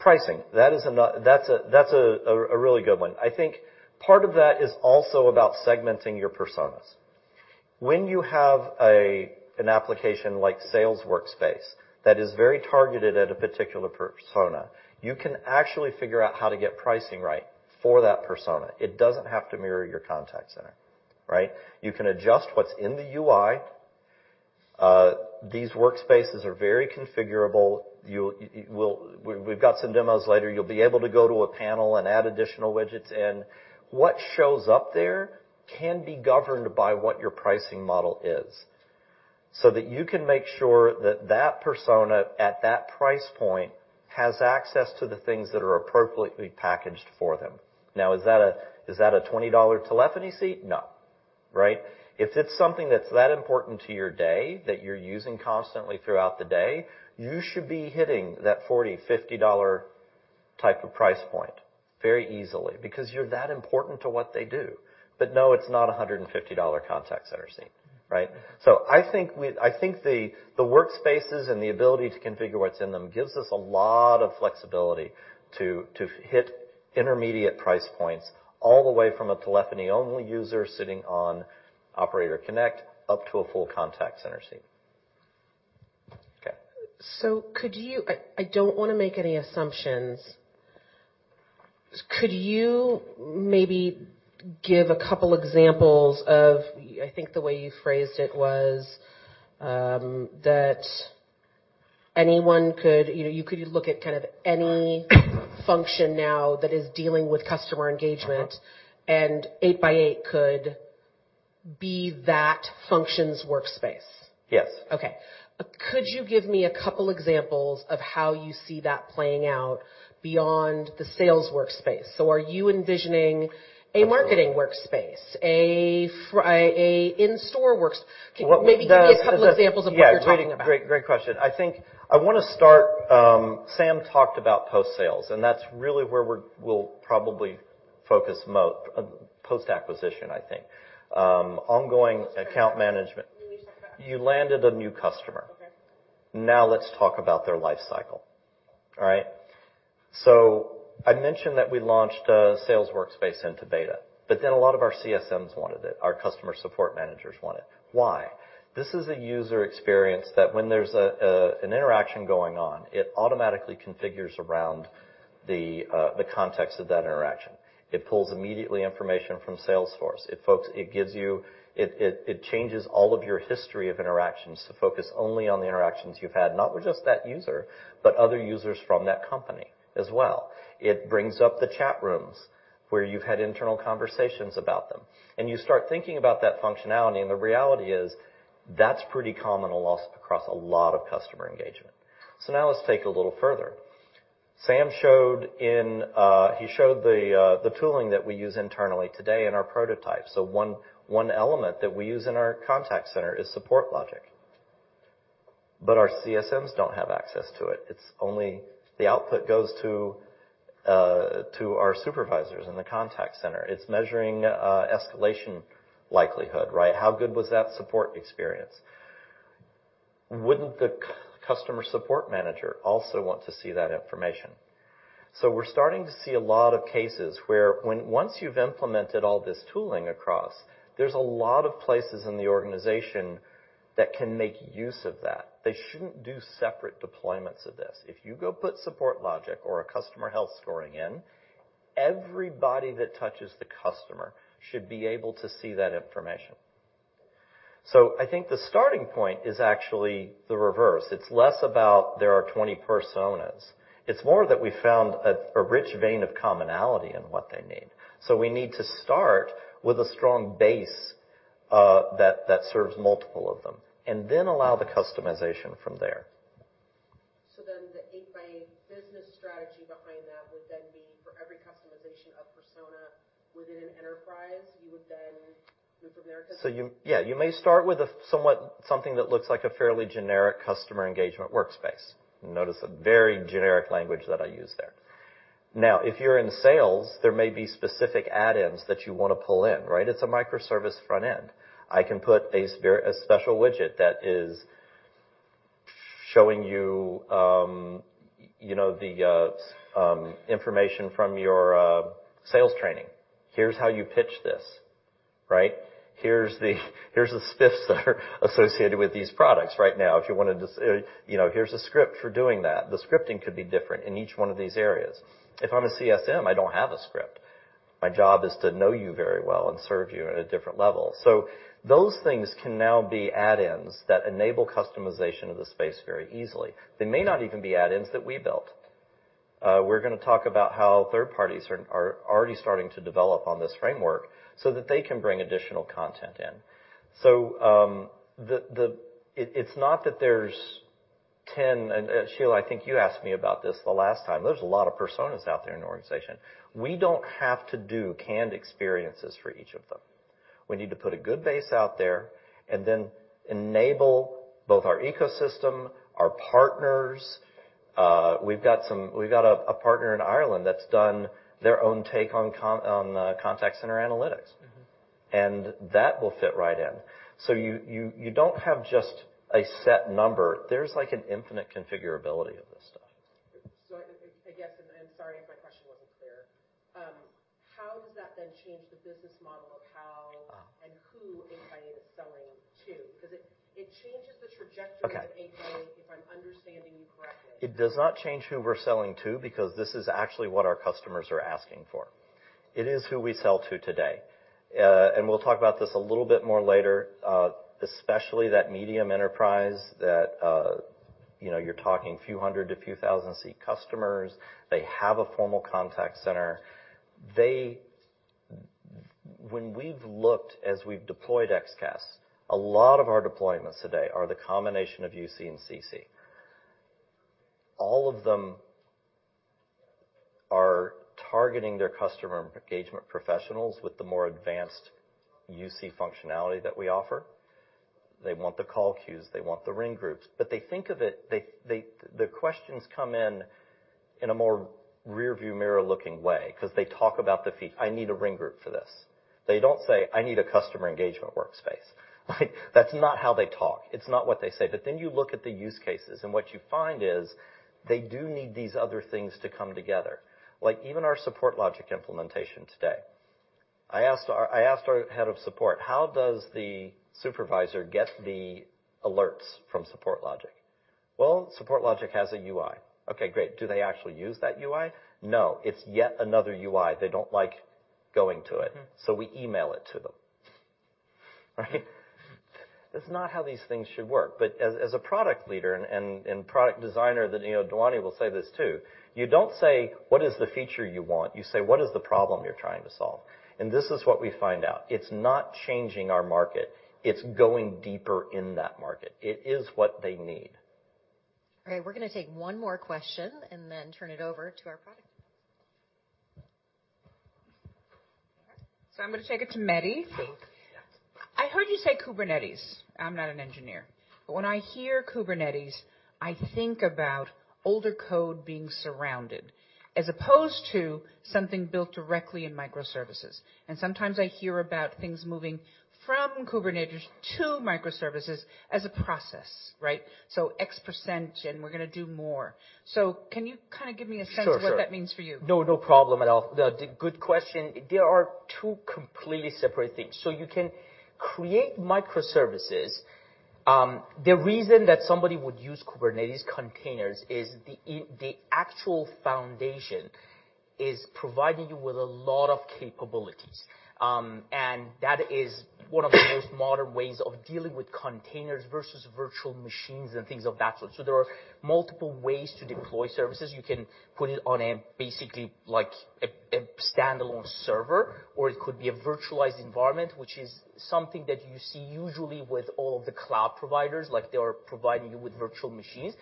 Pricing. That's a really good one. I think part of that is also about segmenting your personas. When you have an application like Sales Workspace that is very targeted at a particular persona, you can actually figure out how to get pricing right for that persona. It doesn't have to mirror your Contact Center, right? You can adjust what's in the UI. These workspaces are very configurable. We've got some demos later. You'll be able to go to a panel and add additional widgets in. What shows up there can be governed by what your pricing model is, so that you can make sure that that persona at that price point has access to the things that are appropriately packaged for them. Is that a $20 telephony seat? No. Right? If it's something that's that important to your day, that you're using constantly throughout the day, you should be hitting that $40-$50 type of price point very easily because you're that important to what they do. No, it's not a $150 Contact Center seat, right? I think the workspaces and the ability to configure what's in them gives us a lot of flexibility to hit intermediate price points all the way from a telephony-only user sitting on Operator Connect up to a full Contact Center seat. Okay. Could you... I don't wanna make any assumptions. Could you maybe give a couple examples of... I think the way you phrased it was, that anyone could... You know, you could look at kind of any function now that is dealing with customer engagement- Uh-huh. 8x8 could be that function's workspace. Yes. Okay. Could you give me a couple examples of how you see that playing out beyond the Sales Workspace? Are you envisioning a marketing workspace, a in-store workspace? What the- Maybe give me a couple examples of what you're talking about. Yeah. Great. Great question. I think I wanna start. Sam talked about post-sales, that's really where we'll probably focus post-acquisition, I think. Ongoing account management. Can you just back up? You landed a new customer. Okay. Let's talk about their life cycle. All right? I mentioned that we launched a Sales Workspace into beta, but then a lot of our CSMs wanted it. Our customer support managers want it. Why? This is a user experience that when there's an interaction going on, it automatically configures around the context of that interaction. It pulls immediately information from Salesforce. It gives you... It changes all of your history of interactions to focus only on the interactions you've had, not with just that user, but other users from that company as well. It brings up the chat rooms where you've had internal conversations about them. You start thinking about that functionality, and the reality is that's pretty common a loss across a lot of customer engagement. Now let's take a little further. Sam showed in... He showed the tooling that we use internally today in our prototype. One, one element that we use in our Contact Center is SupportLogic. Our CSMs don't have access to it. It's only. The output goes to our supervisors in the Contact Center. It's measuring escalation likelihood, right? How good was that support experience? Wouldn't the customer support manager also want to see that information? We're starting to see a lot of cases where once you've implemented all this tooling across, there's a lot of places in the organization that can make use of that. They shouldn't do separate deployments of this. If you go put SupportLogic or a customer health scoring in, everybody that touches the customer should be able to see that information. I think the starting point is actually the reverse. It's less about there are 20 personas. It's more that we found a rich vein of commonality in what they need. We need to start with a strong base, that serves multiple of them, and then allow the customization from there. The 8x8 business strategy behind that would then be for every customization of persona within an enterprise, you would then move from there to- Yeah, you may start with a somewhat something that looks like a fairly generic customer engagement workspace. Notice a very generic language that I used there. If you're in sales, there may be specific add-ins that you wanna pull in, right? It's a microservice front end. I can put a very special widget that is showing you know, the information from your sales training. Here's how you pitch this, right? Here's the stiffs that are associated with these products right now. If you wanted to say, you know, "Here's a script for doing that," the scripting could be different in each one of these areas. If I'm a CSM, I don't have a script. My job is to know you very well and serve you at a different level. Those things can now be add-ins that enable customization of the space very easily. They may not even be add-ins that we built. We're gonna talk about how third parties are already starting to develop on this framework so that they can bring additional content in. It's not that there's 10. Sheila, I think you asked me about this the last time. There's a lot of personas out there in the organization. We don't have to do canned experiences for each of them. We need to put a good base out there and then enable both our ecosystem, our partners. We've got a partner in Ireland that's done their own take on Contact Center analytics. Mm-hmm. That will fit right in. You don't have just a set number. There's like an infinite configurability of this stuff. I guess, and I'm sorry if my question wasn't clear. How does that then change the business model of how- Ah. who 8x8 is selling to. It changes the trajectory. Okay. of 8x8, if I'm understanding you correctly. It does not change who we're selling to because this is actually what our customers are asking for. It is who we sell to today. We'll talk about this a little bit more later, especially that medium enterprise that, you know, you're talking a few hundred to a few thousand seat customers. They have a formal Contact Center. When we've looked as we've deployed XCaaS, a lot of our deployments today are the combination of UC and CC. All of them are targeting their customer engagement professionals with the more advanced UC functionality that we offer. They want the call queues, they want the ring groups. They think of it. The questions come in in a more rearview mirror-looking way 'cause they talk about the feat. I need a ring group for this. They don't say, "I need a customer engagement workspace." Like, that's not how they talk. It's not what they say. You look at the use cases, and what you find is they do need these other things to come together. Like, even our SupportLogic implementation today, I asked our head of support, "How does the supervisor get the alerts from SupportLogic?" "Well, SupportLogic has a UI." "Okay, great. Do they actually use that UI?" "No. It's yet another UI. They don't like going to it, so we email it to them." Right? That's not how these things should work. As a product leader and product designer that, you know, Dhwani will say this too, you don't say, "What is the feature you want?" You say, "What is the problem you're trying to solve?" This is what we find out. It's not changing our market. It's going deeper in that market. It is what they need. All right, we're gonna take one more question and then turn it over to our product. I'm gonna take it to Mehdi. Yes. I heard you say Kubernetes. I'm not an engineer. When I hear Kubernetes, I think about older code being surrounded as opposed to something built directly in microservices. Sometimes I hear about things moving from Kubernetes to microservices as a process, right? X%, and we're gonna do more. Can you kinda give me a sense. Sure, sure. of what that means for you? No, no problem at all. Good question. There are 2 completely separate things. You can create microservices. The reason that somebody would use Kubernetes containers is the actual foundation is providing you with a lot of capabilities. That is one of the most modern ways of dealing with containers versus virtual machines and things of that sort. There are multiple ways to deploy services. You can put it on a, basically like a standalone server, or it could be a virtualized environment, which is something that you see usually with all of the cloud providers, like they are providing you with virtual machines.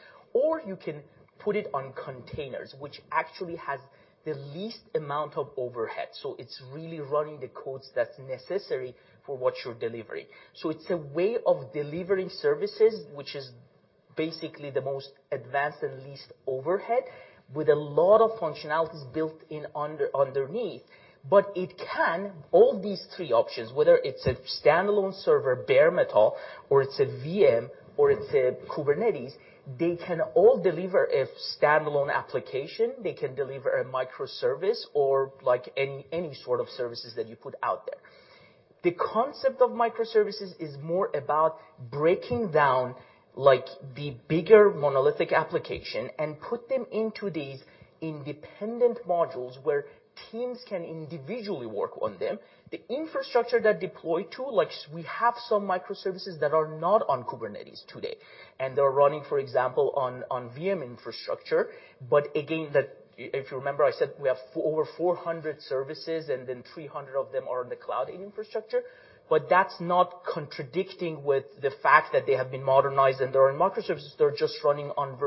You can put it on containers, which actually has the least amount of overhead. It's really running the codes that's necessary for what you're delivering. It's a way of delivering services, which is- Basically the most advanced and least overhead, with a lot of functionalities built in underneath. It can, all these three options, whether it's a standalone server, bare metal, or it's a VM, or it's a Kubernetes, they can all deliver a standalone application. They can deliver a microservice or like any sort of services that you put out there. The concept of microservices is more about breaking down like the bigger monolithic application and put them into these independent modules where teams can individually work on them. The infrastructure they're deployed to, like we have some microservices that are not on Kubernetes today, and they're running, for example, on VM infrastructure. Again, if you remember, I said we have over 400 services, and then 300 of them are in the cloud infrastructure. That's not contradicting with the fact that they have been modernized and they are in microservices. They're just running on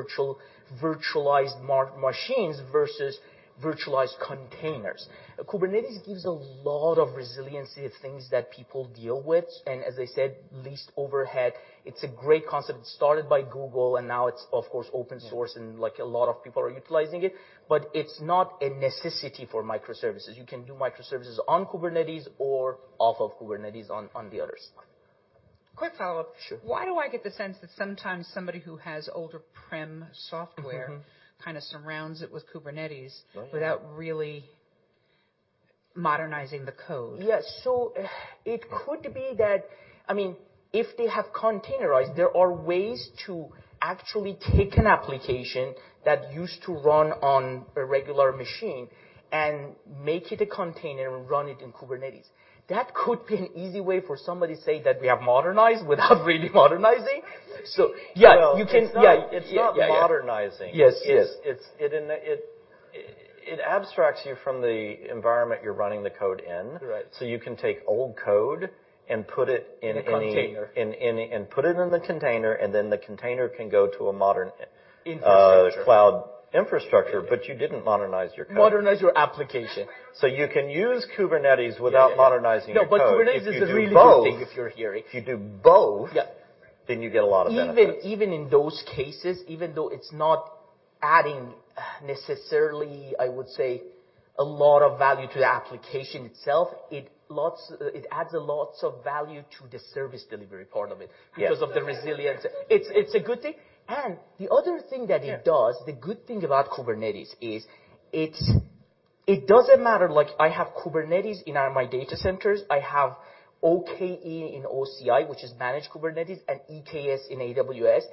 virtualized machines versus virtualized containers. Kubernetes gives a lot of resiliency of things that people deal with, and as I said, least overhead. It's a great concept. It started by Google, and now it's of course open source. Yeah. like a lot of people are utilizing it. It's not a necessity for microservices. You can do microservices on Kubernetes or off of Kubernetes on the other side. Quick follow-up. Sure. Why do I get the sense that sometimes somebody who has older prem software- Mm-hmm. -kinda surrounds it with Kubernetes- Oh, yeah. without really modernizing the code? Yeah. It could be that, I mean, if they have containerized, there are ways to actually take an application that used to run on a regular machine and make it a container and run it in Kubernetes. That could be an easy way for somebody to say that we have modernized without really modernizing. Yeah. Well, it's not modernizing. Yes. Yes. It abstracts you from the environment you're running the code in. Right. You can take old code and put it in. In a container. Put it in the container, and then the container can go to. Infrastructure cloud infrastructure. You didn't modernize your code. Modernize your application. You can use Kubernetes without modernizing your code. No, Kubernetes is a really good thing if you're here. If you do both. Yeah You get a lot of benefits. Even in those cases, even though it's not adding necessarily, I would say, a lot of value to the application itself, it adds a lot of value to the service delivery part of it. Yes. -because of the resilience. It's a good thing. The other thing that it does- Yeah. The good thing about Kubernetes is it's, it doesn't matter like I have Kubernetes in my data centers. I have OKE in OCI, which is managed Kubernetes, and EKS in AWS.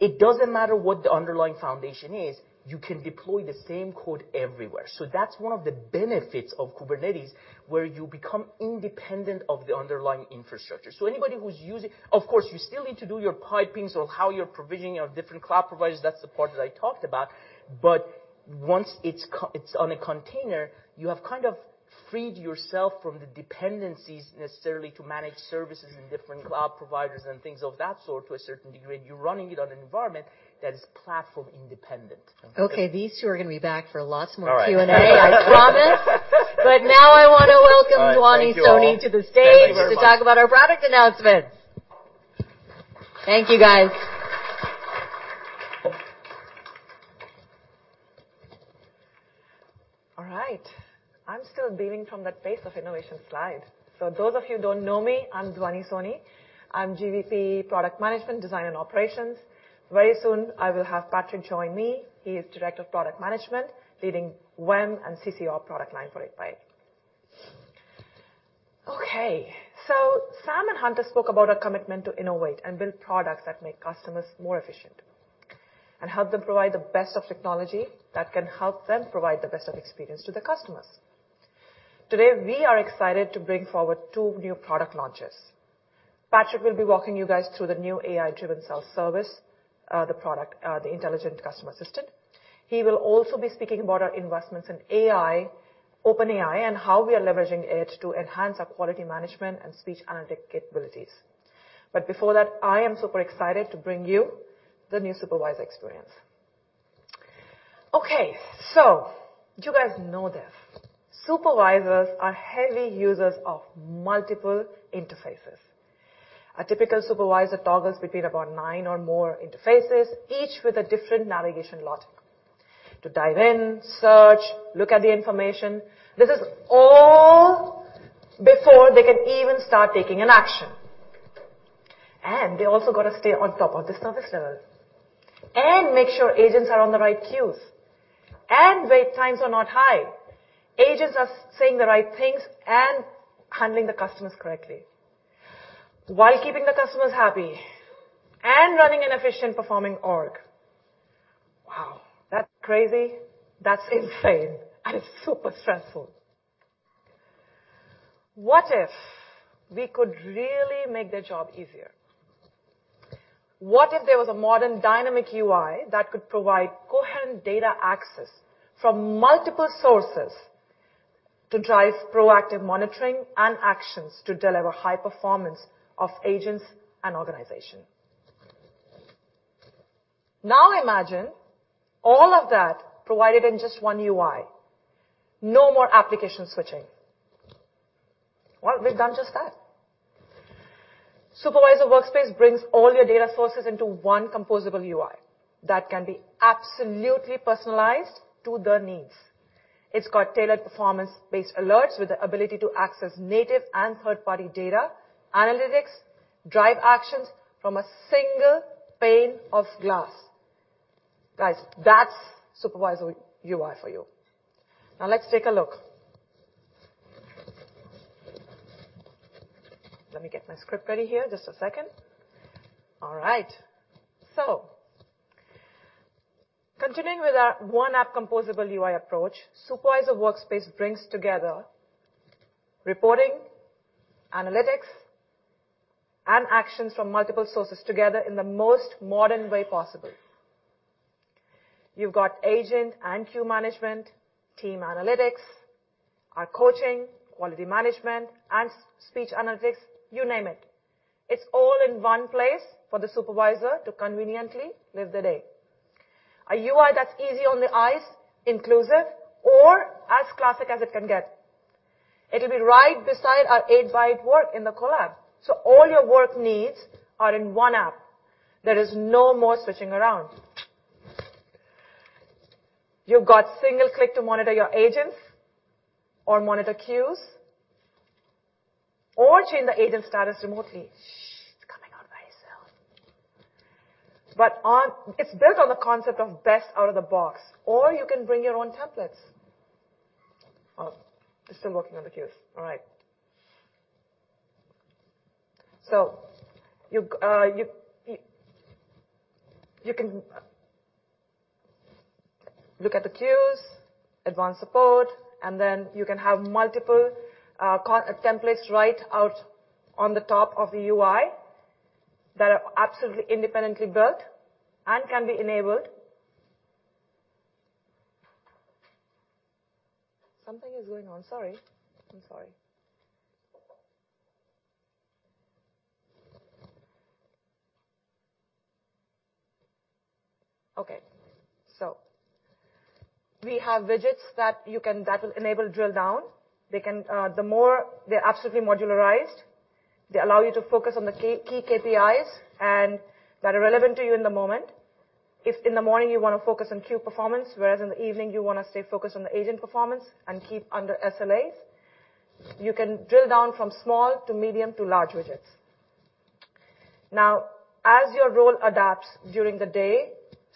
It doesn't matter what the underlying foundation is. You can deploy the same code everywhere. That's one of the benefits of Kubernetes, where you become independent of the underlying infrastructure. Anybody who's using... Of course, you still need to do your pipings of how you're provisioning your different cloud providers. That's the part that I talked about. Once it's on a container, you have kind of freed yourself from the dependencies necessarily to manage services and different cloud providers and things of that sort to a certain degree. You're running it on an environment that is platform independent. Okay. These two are gonna be back for lots more Q&A. All right. I promise. Now I wanna welcome Dhvani Soni to the stage- Thank you very much. -to talk about our product announcements. Thank you, guys. All right. I'm still beaming from that pace of innovation slide. Those of you who don't know me, I'm Dhwani Soni. I'm GVP, Product Management, Design and Operations. Very soon, I will have Patrick join me. He is director of Product Management, leading WEM and CCR product line for 8x8. Sam and Hunter spoke about our commitment to innovate and build products that make customers more efficient and help them provide the best of technology that can help them provide the best of experience to their customers. Today, we are excited to bring forward two new product launches. Patrick will be walking you guys through the new AI-driven self-service, the product, the Intelligent Customer Assistant. He will also be speaking about our investments in AI, OpenAI, and how we are leveraging it to enhance our quality management and speech analytic capabilities. Before that, I am super excited to bring you the new supervisor experience. You guys know this. Supervisors are heavy users of multiple interfaces. A typical supervisor toggles between about nine or more interfaces, each with a different navigation logic. To dive in, search, look at the information. This is all before they can even start taking an action. They also gotta stay on top of the service level and make sure agents are on the right queues and wait times are not high, agents are saying the right things and handling the customers correctly, while keeping the customers happy and running an efficient performing org. Wow, that's crazy. That's insane. It's super stressful. What if we could really make their job easier? What if there was a modern dynamic UI that could provide coherent data access from multiple sources to drive proactive monitoring and actions to deliver high performance of agents and organization? Imagine all of that provided in just one UI. No more application switching. Well, we've done just that. Supervisor Workspace brings all your data sources into one composable UI that can be absolutely personalized to the needs. It's got tailored performance-based alerts with the ability to access native and third-party data, analytics, drive actions from a single pane of glass. Guys, that's Supervisor UI for you. Let's take a look. Let me get my script ready here. Just a second. All right. Continuing with our one app composable UI approach, Supervisor Workspace brings together reporting, analytics, and actions from multiple sources together in the most modern way possible. You've got agent and queue management, team analytics, our coaching, quality management, and speech analytics, you name it. It's all in one place for the supervisor to conveniently live the day. A UI that's easy on the eyes, inclusive or as classic as it can get. It'll be right beside our 8x8 Work in the collab. All your work needs are in one app. There is no more switching around. You've got single click to monitor your agents or monitor queues or change the agent status remotely. Shh, it's coming out by itself. It's built on the concept of best out of the box, or you can bring your own templates. Well, it's still working on the queues. All right. You can look at the queues, advanced support, and then you can have multiple templates right out on the top of the UI that are absolutely independently built and can be enabled. Something is going on. Sorry. I'm sorry. Okay. We have widgets that will enable drill down. They're absolutely modularized. They allow you to focus on the key KPIs, and that are relevant to you in the moment. If in the morning you wanna focus on queue performance, whereas in the evening you wanna stay focused on the agent performance and keep under SLAs, you can drill down from small to medium to large widgets. Now, as your role adapts during the day,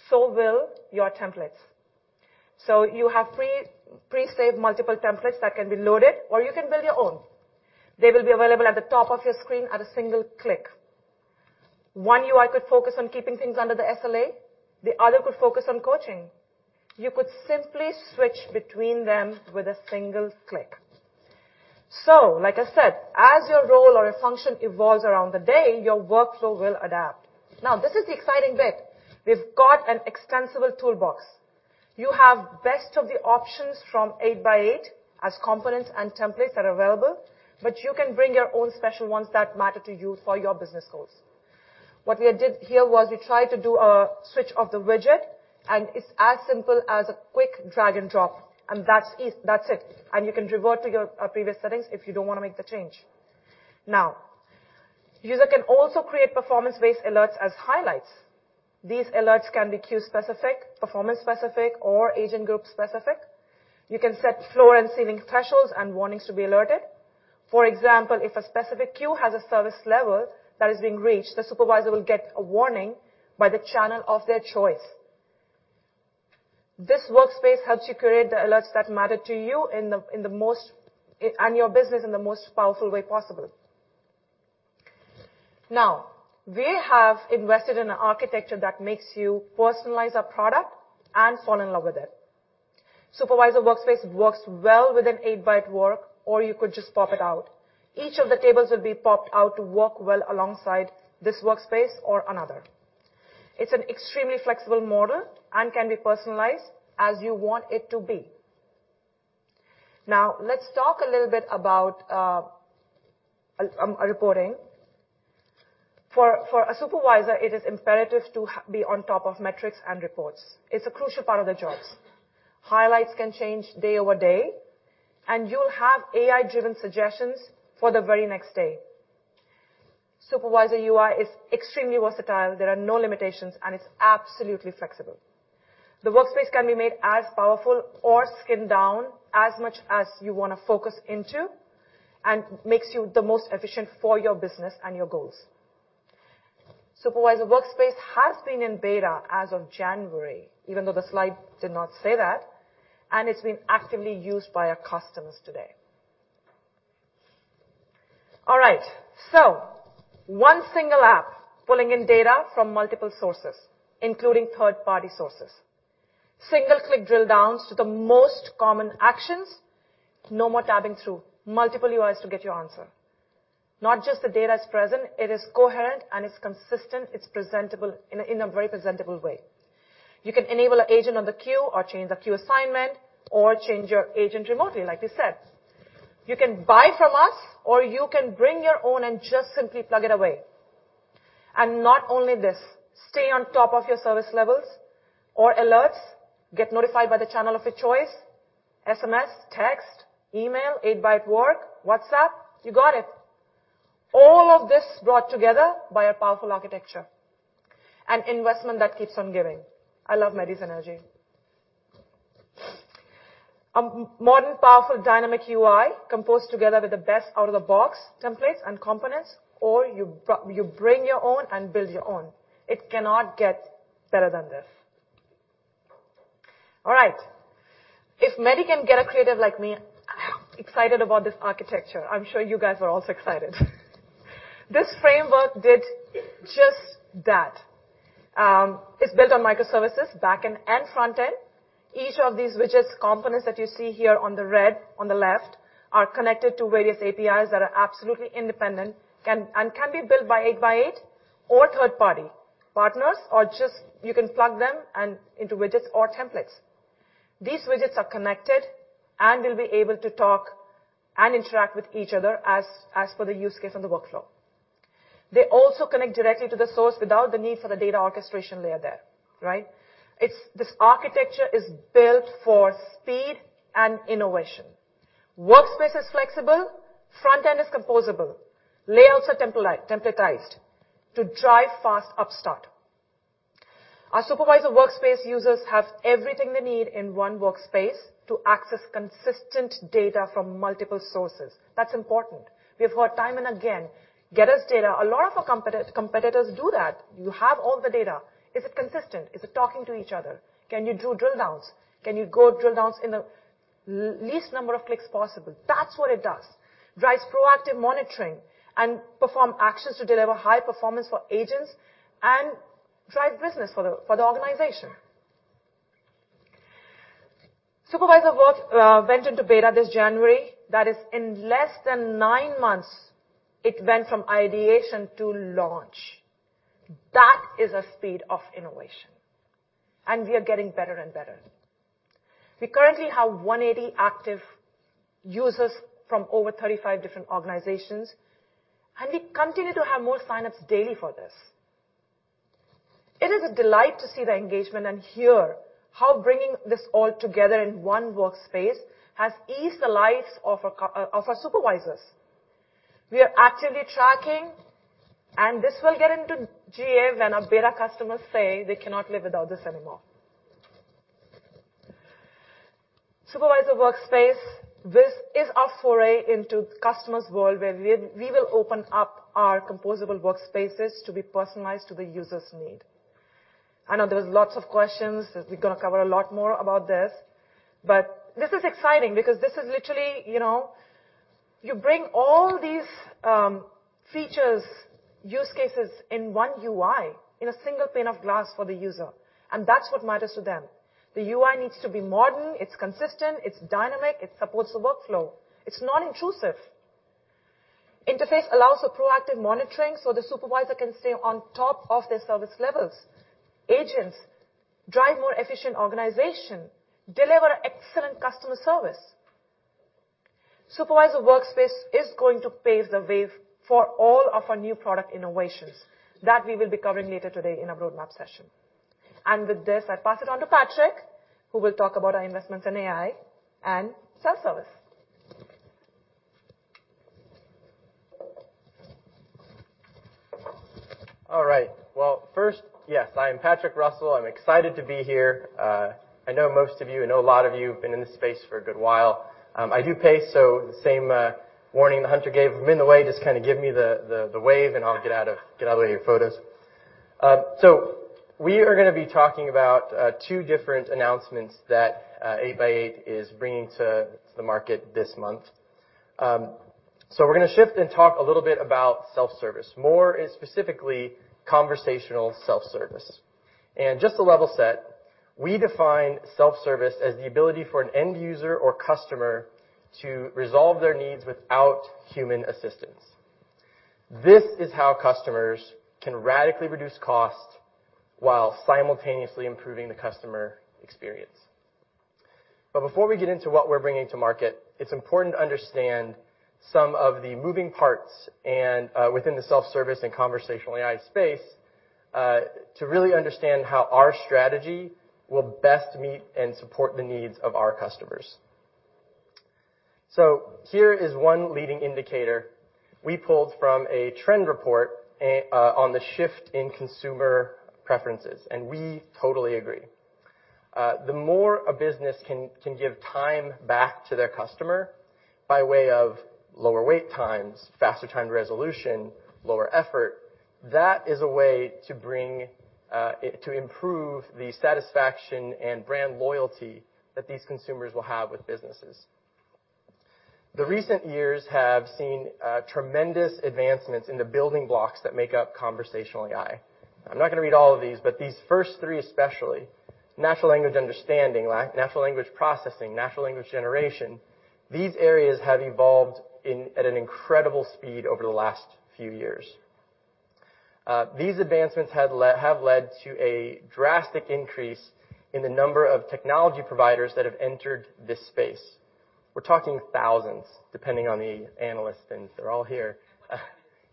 so will your templates. You have pre-saved multiple templates that can be loaded, or you can build your own. They will be available at the top of your screen at a single click. One UI could focus on keeping things under the SLA, the other could focus on coaching. You could simply switch between them with a single click. Like I said, as your role or your function evolves around the day, your workflow will adapt. This is the exciting bit. We've got an extensible toolbox. You have best of the options from 8x8 as components and templates that are available, you can bring your own special ones that matter to you for your business goals. What we did here was we tried to do a switch of the widget, it's as simple as a quick drag and drop, that's it. You can revert to your previous settings if you don't wanna make the change. Now, user can also create performance-based alerts as highlights. These alerts can be queue specific, performance specific, or agent group specific. You can set floor and ceiling thresholds and warnings to be alerted. For example, if a specific queue has a service level that is being reached, the supervisor will get a warning by the channel of their choice. This workspace helps you create the alerts that matter to you and your business in the most powerful way possible. Now, we have invested in architecture that makes you personalize a product and fall in love with it. Supervisor Workspace works well with an 8x8 Work, or you could just pop it out. Each of the tables will be popped out to work well alongside this workspace or another. It's an extremely flexible model and can be personalized as you want it to be. Let's talk a little bit about reporting. For, for a supervisor, it is imperative to be on top of metrics and reports. It's a crucial part of the jobs. Highlights can change day over day, and you'll have AI-driven suggestions for the very next day. Supervisor UI is extremely versatile. There are no limitations, and it's absolutely flexible. The workspace can be made as powerful or skinned down as much as you wanna focus into and makes you the most efficient for your business and your goals. Supervisor Workspace has been in beta as of January, even though the slide did not say that, and it's been actively used by our customers today. One single app pulling in data from multiple sources, including third-party sources. Single-click drill downs to the most common actions. No more tabbing through multiple UIs to get your answer. Not just the data is present, it is coherent and it's consistent, it's presentable in a very presentable way. You can enable an agent on the queue or change the queue assignment or change your agent remotely, like we said. You can buy from us, or you can bring your own and just simply plug it away. Not only this, stay on top of your service levels or alerts, get notified by the channel of your choice, SMS, text, email, 8x8 Work, WhatsApp, you got it. All of this brought together by a powerful architecture. An investment that keeps on giving. I love Maddy's energy. Modern, powerful dynamic UI composed together with the best out-of-the-box templates and components, or you bring your own and build your own. It cannot get better than this. All right. If Maddy can get a creative like me excited about this architecture, I'm sure you guys are also excited. This framework did just that. It's built on microservices, back-end and front-end. Each of these widgets, components that you see here on the red on the left are connected to various APIs that are absolutely independent, can be built by 8x8 or third-party partners, or just you can plug them into widgets or templates. These widgets are connected and will be able to talk and interact with each other as per the use case and the workflow. They also connect directly to the source without the need for the data orchestration layer there, right? This architecture is built for speed and innovation. Workspace is flexible, front-end is composable. Layouts are templatized to drive fast upstart. Our Supervisor Workspace users have everything they need in one workspace to access consistent data from multiple sources. That's important. We have heard time and again, get us data. A lot of our competitors do that. You have all the data. Is it consistent? Is it talking to each other? Can you do drill downs? Can you go drill downs in the least number of clicks possible? That's what it does. Drives proactive monitoring and perform actions to deliver high performance for agents and drive business for the organization. Supervisor Work went into beta this January. That is, in less than nine months, it went from ideation to launch. That is a speed of innovation, and we are getting better and better. We currently have 180 active users from over 35 different organizations, and we continue to have more sign-ups daily for this. It is a delight to see the engagement and hear how bringing this all together in one workspace has eased the lives of our of our supervisors. We are actively tracking. This will get into GA when our beta customers say they cannot live without this anymore. Supervisor Workspace, this is our foray into customer's world, where we will open up our composable workspaces to be personalized to the user's need. I know there's lots of questions. We're gonna cover a lot more about this. This is exciting because this is literally, you know. You bring all these features, use cases in one UI in a single pane of glass for the user, and that's what matters to them. The UI needs to be modern, it's consistent, it's dynamic, it supports the workflow. It's not intrusive. Interface allows for proactive monitoring. The supervisor can stay on top of their service levels. Agents drive more efficient organization, deliver excellent customer service. Supervisor Workspace is going to pave the way for all of our new product innovations that we will be covering later today in our roadmap session. With this, I pass it on to Patrick, who will talk about our investments in AI and self-service. All right. Well, first, yes, I am Patrick Russell. I'm excited to be here. I know most of you. I know a lot of you have been in this space for a good while. I do pace, the same warning that Hunter gave. If I'm in the way, just kinda give me the wave, and I'll get out of your photos. We are gonna be talking about two different announcements that 8x8 is bringing to the market this month. We're gonna shift and talk a little bit about self-service. More specifically, conversational self-service. Just to level set, we define self-service as the ability for an end user or customer to resolve their needs without human assistance. This is how customers can radically reduce cost while simultaneously improving the customer experience. Before we get into what we're bringing to market, it's important to understand some of the moving parts and within the self-service and conversational AI space to really understand how our strategy will best meet and support the needs of our customers. Here is one leading indicator we pulled from a trend report on the shift in consumer preferences, and we totally agree. The more a business can give time back to their customer by way of lower wait times, faster time to resolution, lower effort, that is a way to bring to improve the satisfaction and brand loyalty that these consumers will have with businesses. The recent years have seen tremendous advancements in the building blocks that make up conversational AI. I'm not gonna read all of these, but these first three especially, natural language understanding, natural language processing, natural language generation, these areas have evolved in, at an incredible speed over the last few years. These advancements have led to a drastic increase in the number of technology providers that have entered this space. We're talking thousands, depending on the analyst, and they're all here,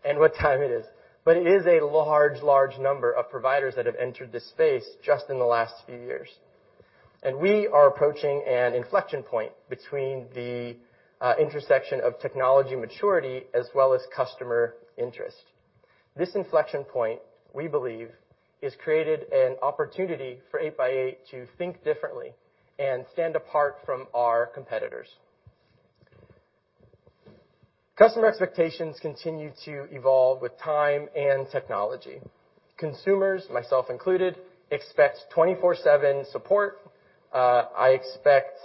and what time it is. It is a large number of providers that have entered this space just in the last few years. We are approaching an inflection point between the intersection of technology maturity as well as customer interest. This inflection point, we believe, has created an opportunity for 8x8 to think differently and stand apart from our competitors. Customer expectations continue to evolve with time and technology. Consumers, myself included, expect 24/7 support. I expect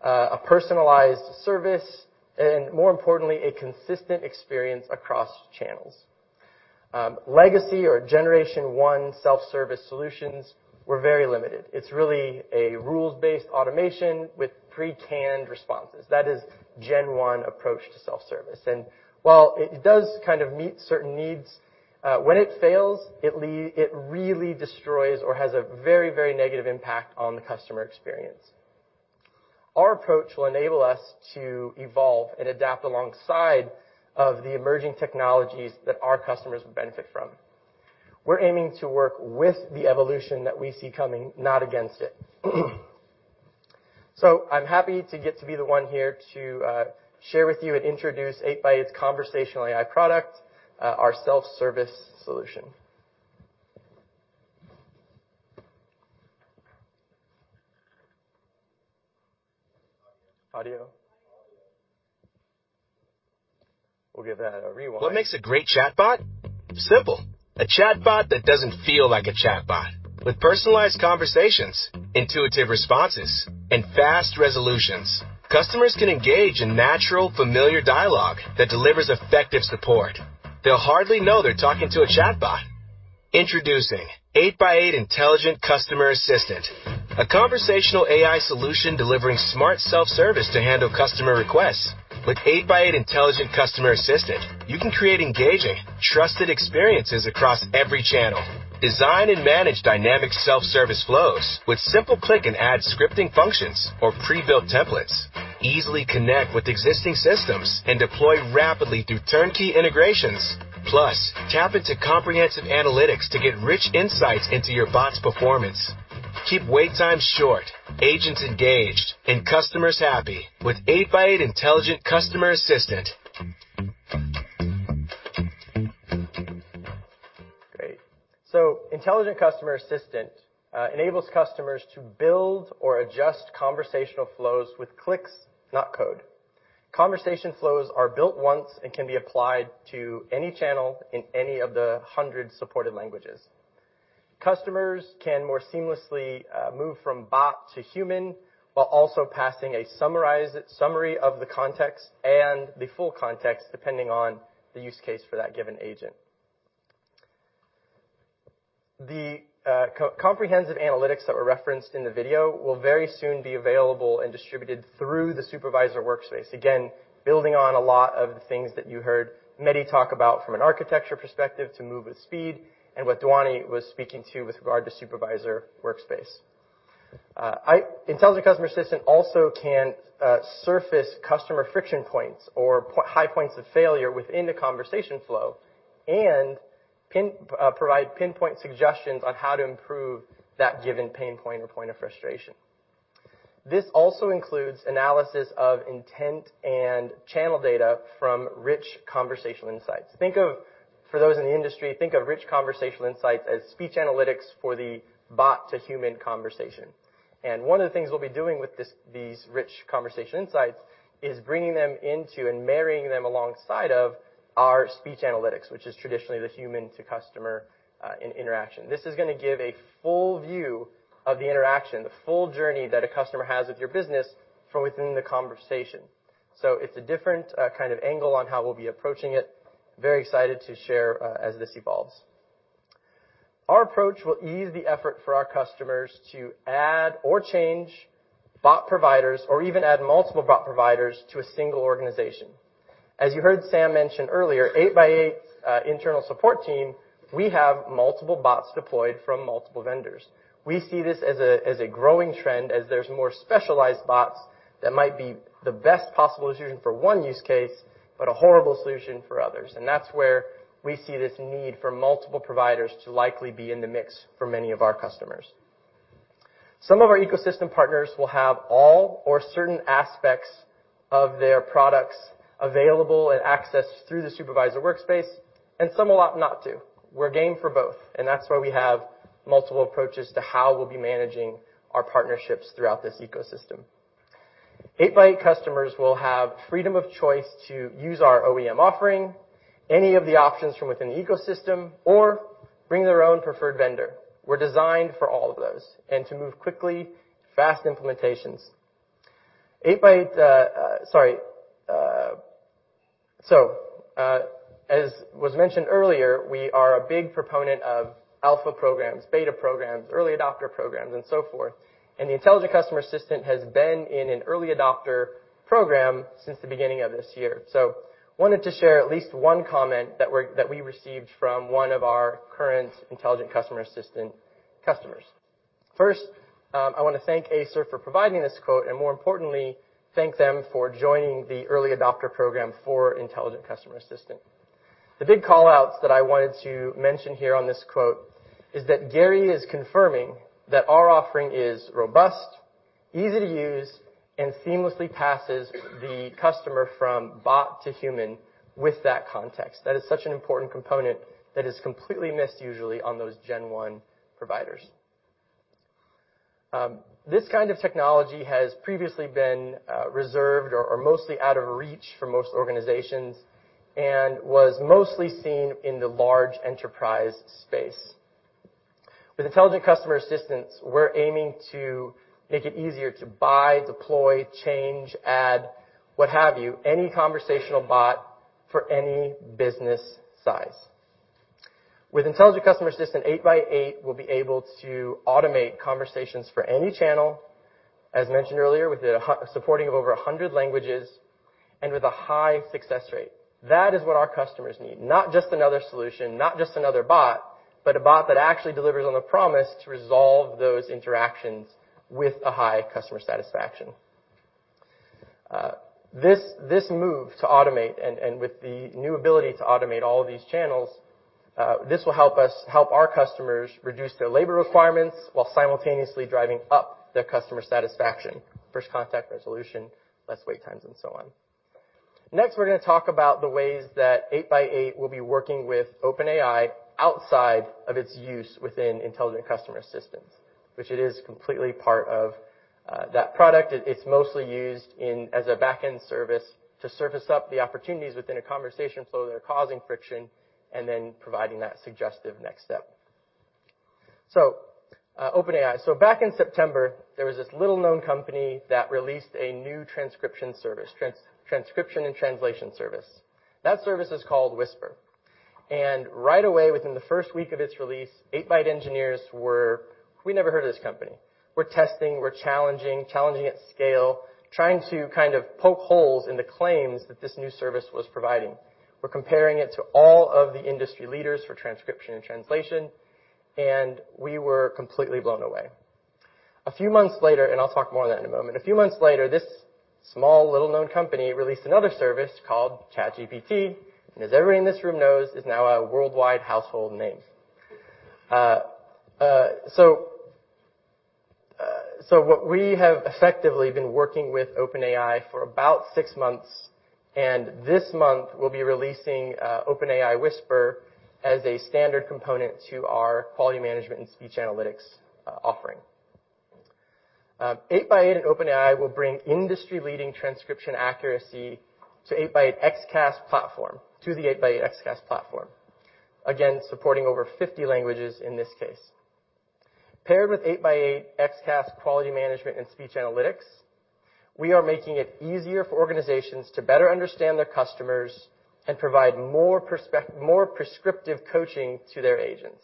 a personalized service and, more importantly, a consistent experience across channels. Legacy or generation one self-service solutions were very limited. It's really a rules-based automation with pre-canned responses. That is gen one approach to self-service. While it does kind of meet certain needs, when it fails, it really destroys or has a very, very negative impact on the customer experience. Our approach will enable us to evolve and adapt alongside of the emerging technologies that our customers would benefit from. We're aiming to work with the evolution that we see coming, not against it. I'm happy to get to be the one here to share with you and introduce 8x8's conversational AI product, our self-service solution. Audio. We'll give that a rewind. What makes a great chatbot? Simple. A chatbot that doesn't feel like a chatbot. With personalized conversations, intuitive responses, and fast resolutions, customers can engage in natural, familiar dialogue that delivers effective support. They'll hardly know they're talking to a chatbot. Introducing 8x8 Intelligent Customer Assistant, a conversational AI solution delivering smart self-service to handle customer requests. With 8x8 Intelligent Customer Assistant, you can create engaging, trusted experiences across every channel, design and manage dynamic self-service flows with simple click and add scripting functions or pre-built templates. Easily connect with existing systems and deploy rapidly through turnkey integrations. Plus, tap into comprehensive analytics to get rich insights into your bot's performance. Keep wait times short, agents engaged, and customers happy with 8x8 Intelligent Customer Assistant. Great. Intelligent Customer Assistant enables customers to build or adjust conversational flows with clicks, not code. Conversation flows are built once and can be applied to any channel in any of the 100 supported languages. Customers can more seamlessly move from bot to human while also passing a summarized summary of the context and the full context, depending on the use case for that given agent. The comprehensive analytics that were referenced in the video will very soon be available and distributed through the Supervisor Workspace. Again, building on a lot of the things that you heard Mehdi talk about from an architecture perspective to move with speed and what Dhwani was speaking to with regard to Supervisor Workspace. Intelligent Customer Assistant also can surface customer friction points or high points of failure within the conversation flow and provide pinpoint suggestions on how to improve that given pain point or point of frustration. This also includes analysis of intent and channel data from rich conversational insights. For those in the industry, think of rich conversational insights as speech analytics for the bot-to-human conversation. One of the things we'll be doing with these rich conversation insights is bringing them into and marrying them alongside of our speech analytics, which is traditionally the human-to-customer interaction. This is gonna give a full view of the interaction, the full journey that a customer has with your business from within the conversation. It's a different kind of angle on how we'll be approaching it. Very excited to share as this evolves. Our approach will ease the effort for our customers to add or change bot providers or even add multiple bot providers to a single organization. As you heard Sam mention earlier, 8x8's internal support team, we have multiple bots deployed from multiple vendors. We see this as a growing trend as there's more specialized bots that might be the best possible solution for one use case, but a horrible solution for others. That's where we see this need for multiple providers to likely be in the mix for many of our customers. Some of our ecosystem partners will have all or certain aspects of their products available and accessed through the Supervisor Workspace, and some will opt not to. We're game for both. That's why we have multiple approaches to how we'll be managing our partnerships throughout this ecosystem. 8x8 customers will have freedom of choice to use our OEM offering, any of the options from within the ecosystem or bring their own preferred vendor. We're designed for all of those and to move quickly to fast implementations. 8x8, sorry, as was mentioned earlier, we are a big proponent of alpha programs, beta programs, early adopter programs, and so forth. The Intelligent Customer Assistant has been in an early adopter program since the beginning of this year. Wanted to share at least one comment that we received from one of our current Intelligent Customer Assistant customers. First, I wanna thank Acer for providing this quote, and more importantly, thank them for joining the early adopter program for Intelligent Customer Assistant. The big call-outs that I wanted to mention here on this quote is that Gary is confirming that our offering is robust, easy to use, and seamlessly passes the customer from bot to human with that context. That is such an important component that is completely missed usually on those Gen One providers. This kind of technology has previously been reserved or mostly out of reach for most organizations and was mostly seen in the large enterprise space. With Intelligent Customer Assistants, we're aiming to make it easier to buy, deploy, change, add, what have you, any conversational bot for any business size. With Intelligent Customer Assistant, 8x8 will be able to automate conversations for any channel, as mentioned earlier, with the supporting of over 100 languages and with a high success rate. That is what our customers need, not just another solution, not just another bot, but a bot that actually delivers on the promise to resolve those interactions with a high customer satisfaction. This move to automate and with the new ability to automate all of these channels, this will help us help our customers reduce their labor requirements while simultaneously driving up their customer satisfaction. First contact resolution, less wait times, and so on. We're gonna talk about the ways that 8x8 will be working with OpenAI outside of its use within Intelligent Customer Assistance, which it is completely part of that product. It's mostly used in as a back-end service to surface up the opportunities within a conversation flow that are causing friction and then providing that suggestive next step. OpenAI. Back in September, there was this little-known company that released a new transcription service, transcription and translation service. That service is called Whisper. Right away, within the first week of its release, 8x8 engineers were, "We never heard of this company." We're testing, we're challenging at scale, trying to kind of poke holes in the claims that this new service was providing. We're comparing it to all of the industry leaders for transcription and translation, we were completely blown away. A few months later, I'll talk more on that in a moment. A few months later, this small little-known company released another service called ChatGPT, as everyone in this room knows, is now a worldwide household name. What we have effectively been working with OpenAI for about 6 months, and this month we'll be releasing OpenAI Whisper as a standard component to our quality management and speech analytics offering. 8x8 and OpenAI will bring industry-leading transcription accuracy to the 8x8 XCaaS platform. Again, supporting over 50 languages in this case. Paired with 8x8 XCaaS quality management and speech analytics, we are making it easier for organizations to better understand their customers and provide more prescriptive coaching to their agents.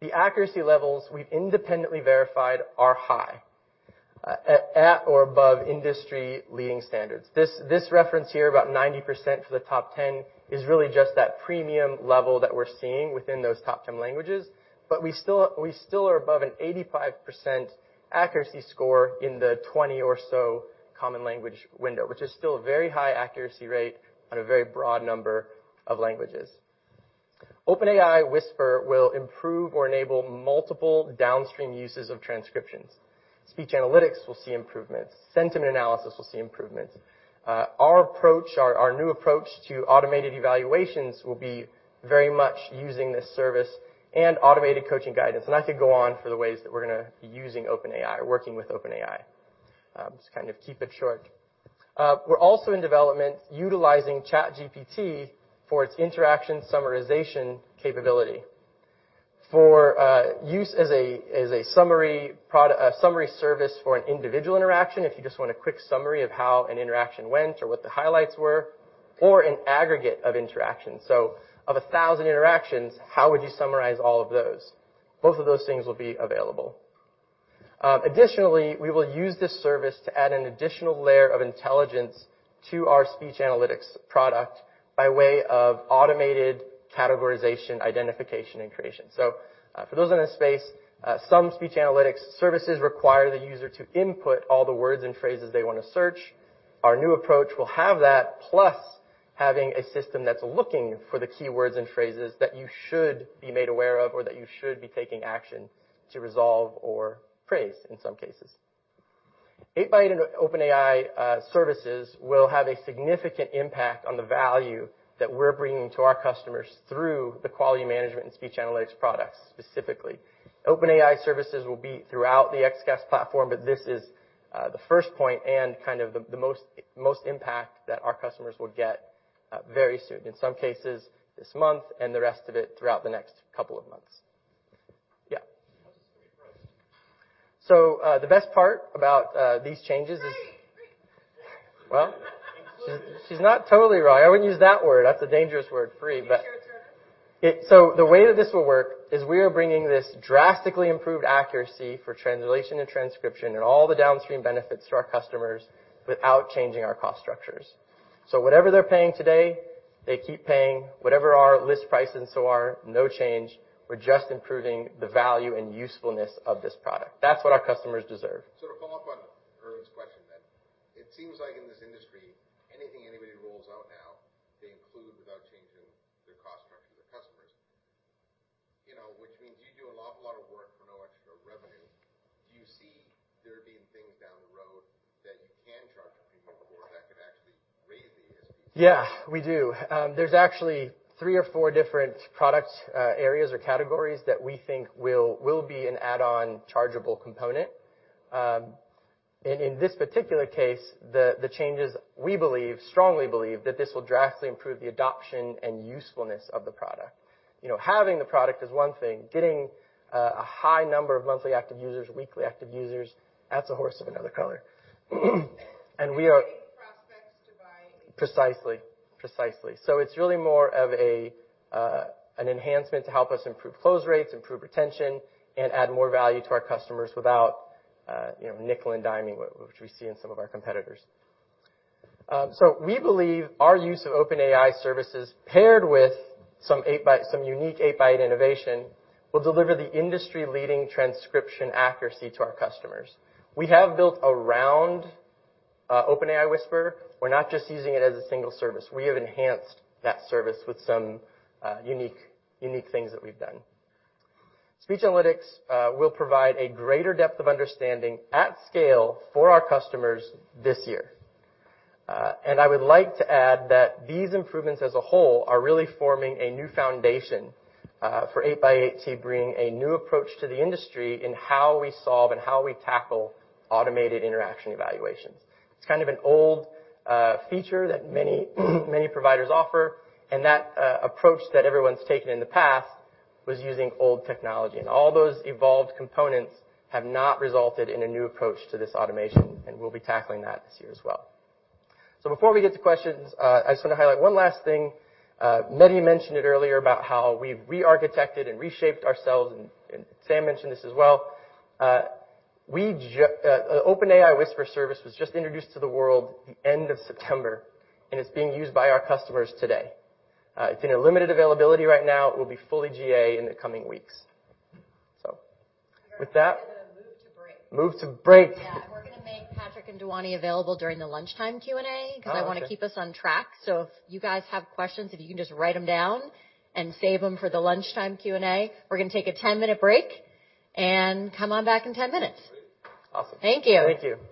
The accuracy levels we've independently verified are high, at or above industry-leading standards. This reference here, about 90% for the top 10, is really just that premium level that we're seeing within those top 10 languages. We still are above an 85% accuracy score in the 20 or so common language window, which is still a very high accuracy rate on a very broad number of languages. OpenAI Whisper will improve or enable multiple downstream uses of transcriptions. Speech analytics will see improvements. Sentiment analysis will see improvements. Our approach, our new approach to automated evaluations will be very much using this service and automated coaching guidance. I could go on for the ways that we're gonna be using OpenAI, working with OpenAI. Just to kind of keep it short. We're also in development utilizing ChatGPT for its interaction summarization capability. For use as a summary service for an individual interaction, if you just want a quick summary of how an interaction went or what the highlights were, or an aggregate of interactions. Of 1,000 interactions, how would you summarize all of those? Both of those things will be available. Additionally, we will use this service to add an additional layer of intelligence to our speech analytics product by way of automated categorization, identification, and creation. For those in this space, some speech analytics services require the user to input all the words and phrases they wanna search. Our new approach will have that, plus having a system that's looking for the keywords and phrases that you should be made aware of or that you should be taking action to resolve or praise in some cases. 8x8 and OpenAI services will have a significant impact on the value that we're bringing to our customers through the quality management and speech analytics products specifically. OpenAI services will be throughout the XCaaS platform, but this is the first point and kind of the most impact that our customers will get very soon, in some cases this month and the rest of it throughout the next couple of months. Yeah. How does it compare to price? The best part about these changes. Free, free. Well, she's not totally right. I wouldn't use that word. That's a dangerous word, free. Can you share a term? The way that this will work is we are bringing this drastically improved accuracy for translation and transcription and all the downstream benefits to our customers without changing our cost structures. Whatever they're paying today. They keep paying whatever our list price and so are no change. We're just improving the value and usefulness of this product. That's what our customers deserve. To follow up on Erwin's question then. It seems like in this industry, anything anybody rolls out now, they include without changing their cost structure to customers, you know, which means you do a lot of work for no extra revenue. Do you see there being things down the road that you can charge a premium for that could actually raise the ASP? Yeah, we do. There's actually three or four different product areas or categories that we think will be an add-on chargeable component. In this particular case, the changes we strongly believe that this will drastically improve the adoption and usefulness of the product. You know, having the product is one thing. Getting a high number of monthly active users, weekly active users, that's a horse of another color. We are- Getting prospects to buy. Precisely. Precisely. It's really more of an enhancement to help us improve close rates, improve retention, and add more value to our customers without, you know, nickel and diming, which we see in some of our competitors. We believe our use of OpenAI services paired with some unique 8x8 innovation, will deliver the industry-leading transcription accuracy to our customers. We have built around OpenAI Whisper. We're not just using it as a single service. We have enhanced that service with some unique things that we've done. Speech analytics will provide a greater depth of understanding at scale for our customers this year. I would like to add that these improvements as a whole are really forming a new foundation for 8x8 to bring a new approach to the industry in how we solve and how we tackle automated interaction evaluations. It's kind of an old feature that many, many providers offer, and that approach that everyone's taken in the past was using old technology. All those evolved components have not resulted in a new approach to this automation, and we'll be tackling that this year as well. Before we get to questions, I just wanna highlight one last thing. Mehdi mentioned it earlier about how we've re-architected and reshaped ourselves and Sam mentioned this as well. OpenAI Whisper service was just introduced to the world the end of September, and it's being used by our customers today. It's in a limited availability right now. It will be fully GA in the coming weeks. with that. We're gonna move to break. Move to break. Yeah. We're gonna make Patrick and Dhwani available during the lunchtime Q&A. Oh, okay. 'Cause I wanna keep us on track. If you guys have questions, if you can just write them down and save them for the lunchtime Q&A. We're gonna take a 10-minute break and come on back in 10 minutes. Great. Awesome. Thank you. Thank you.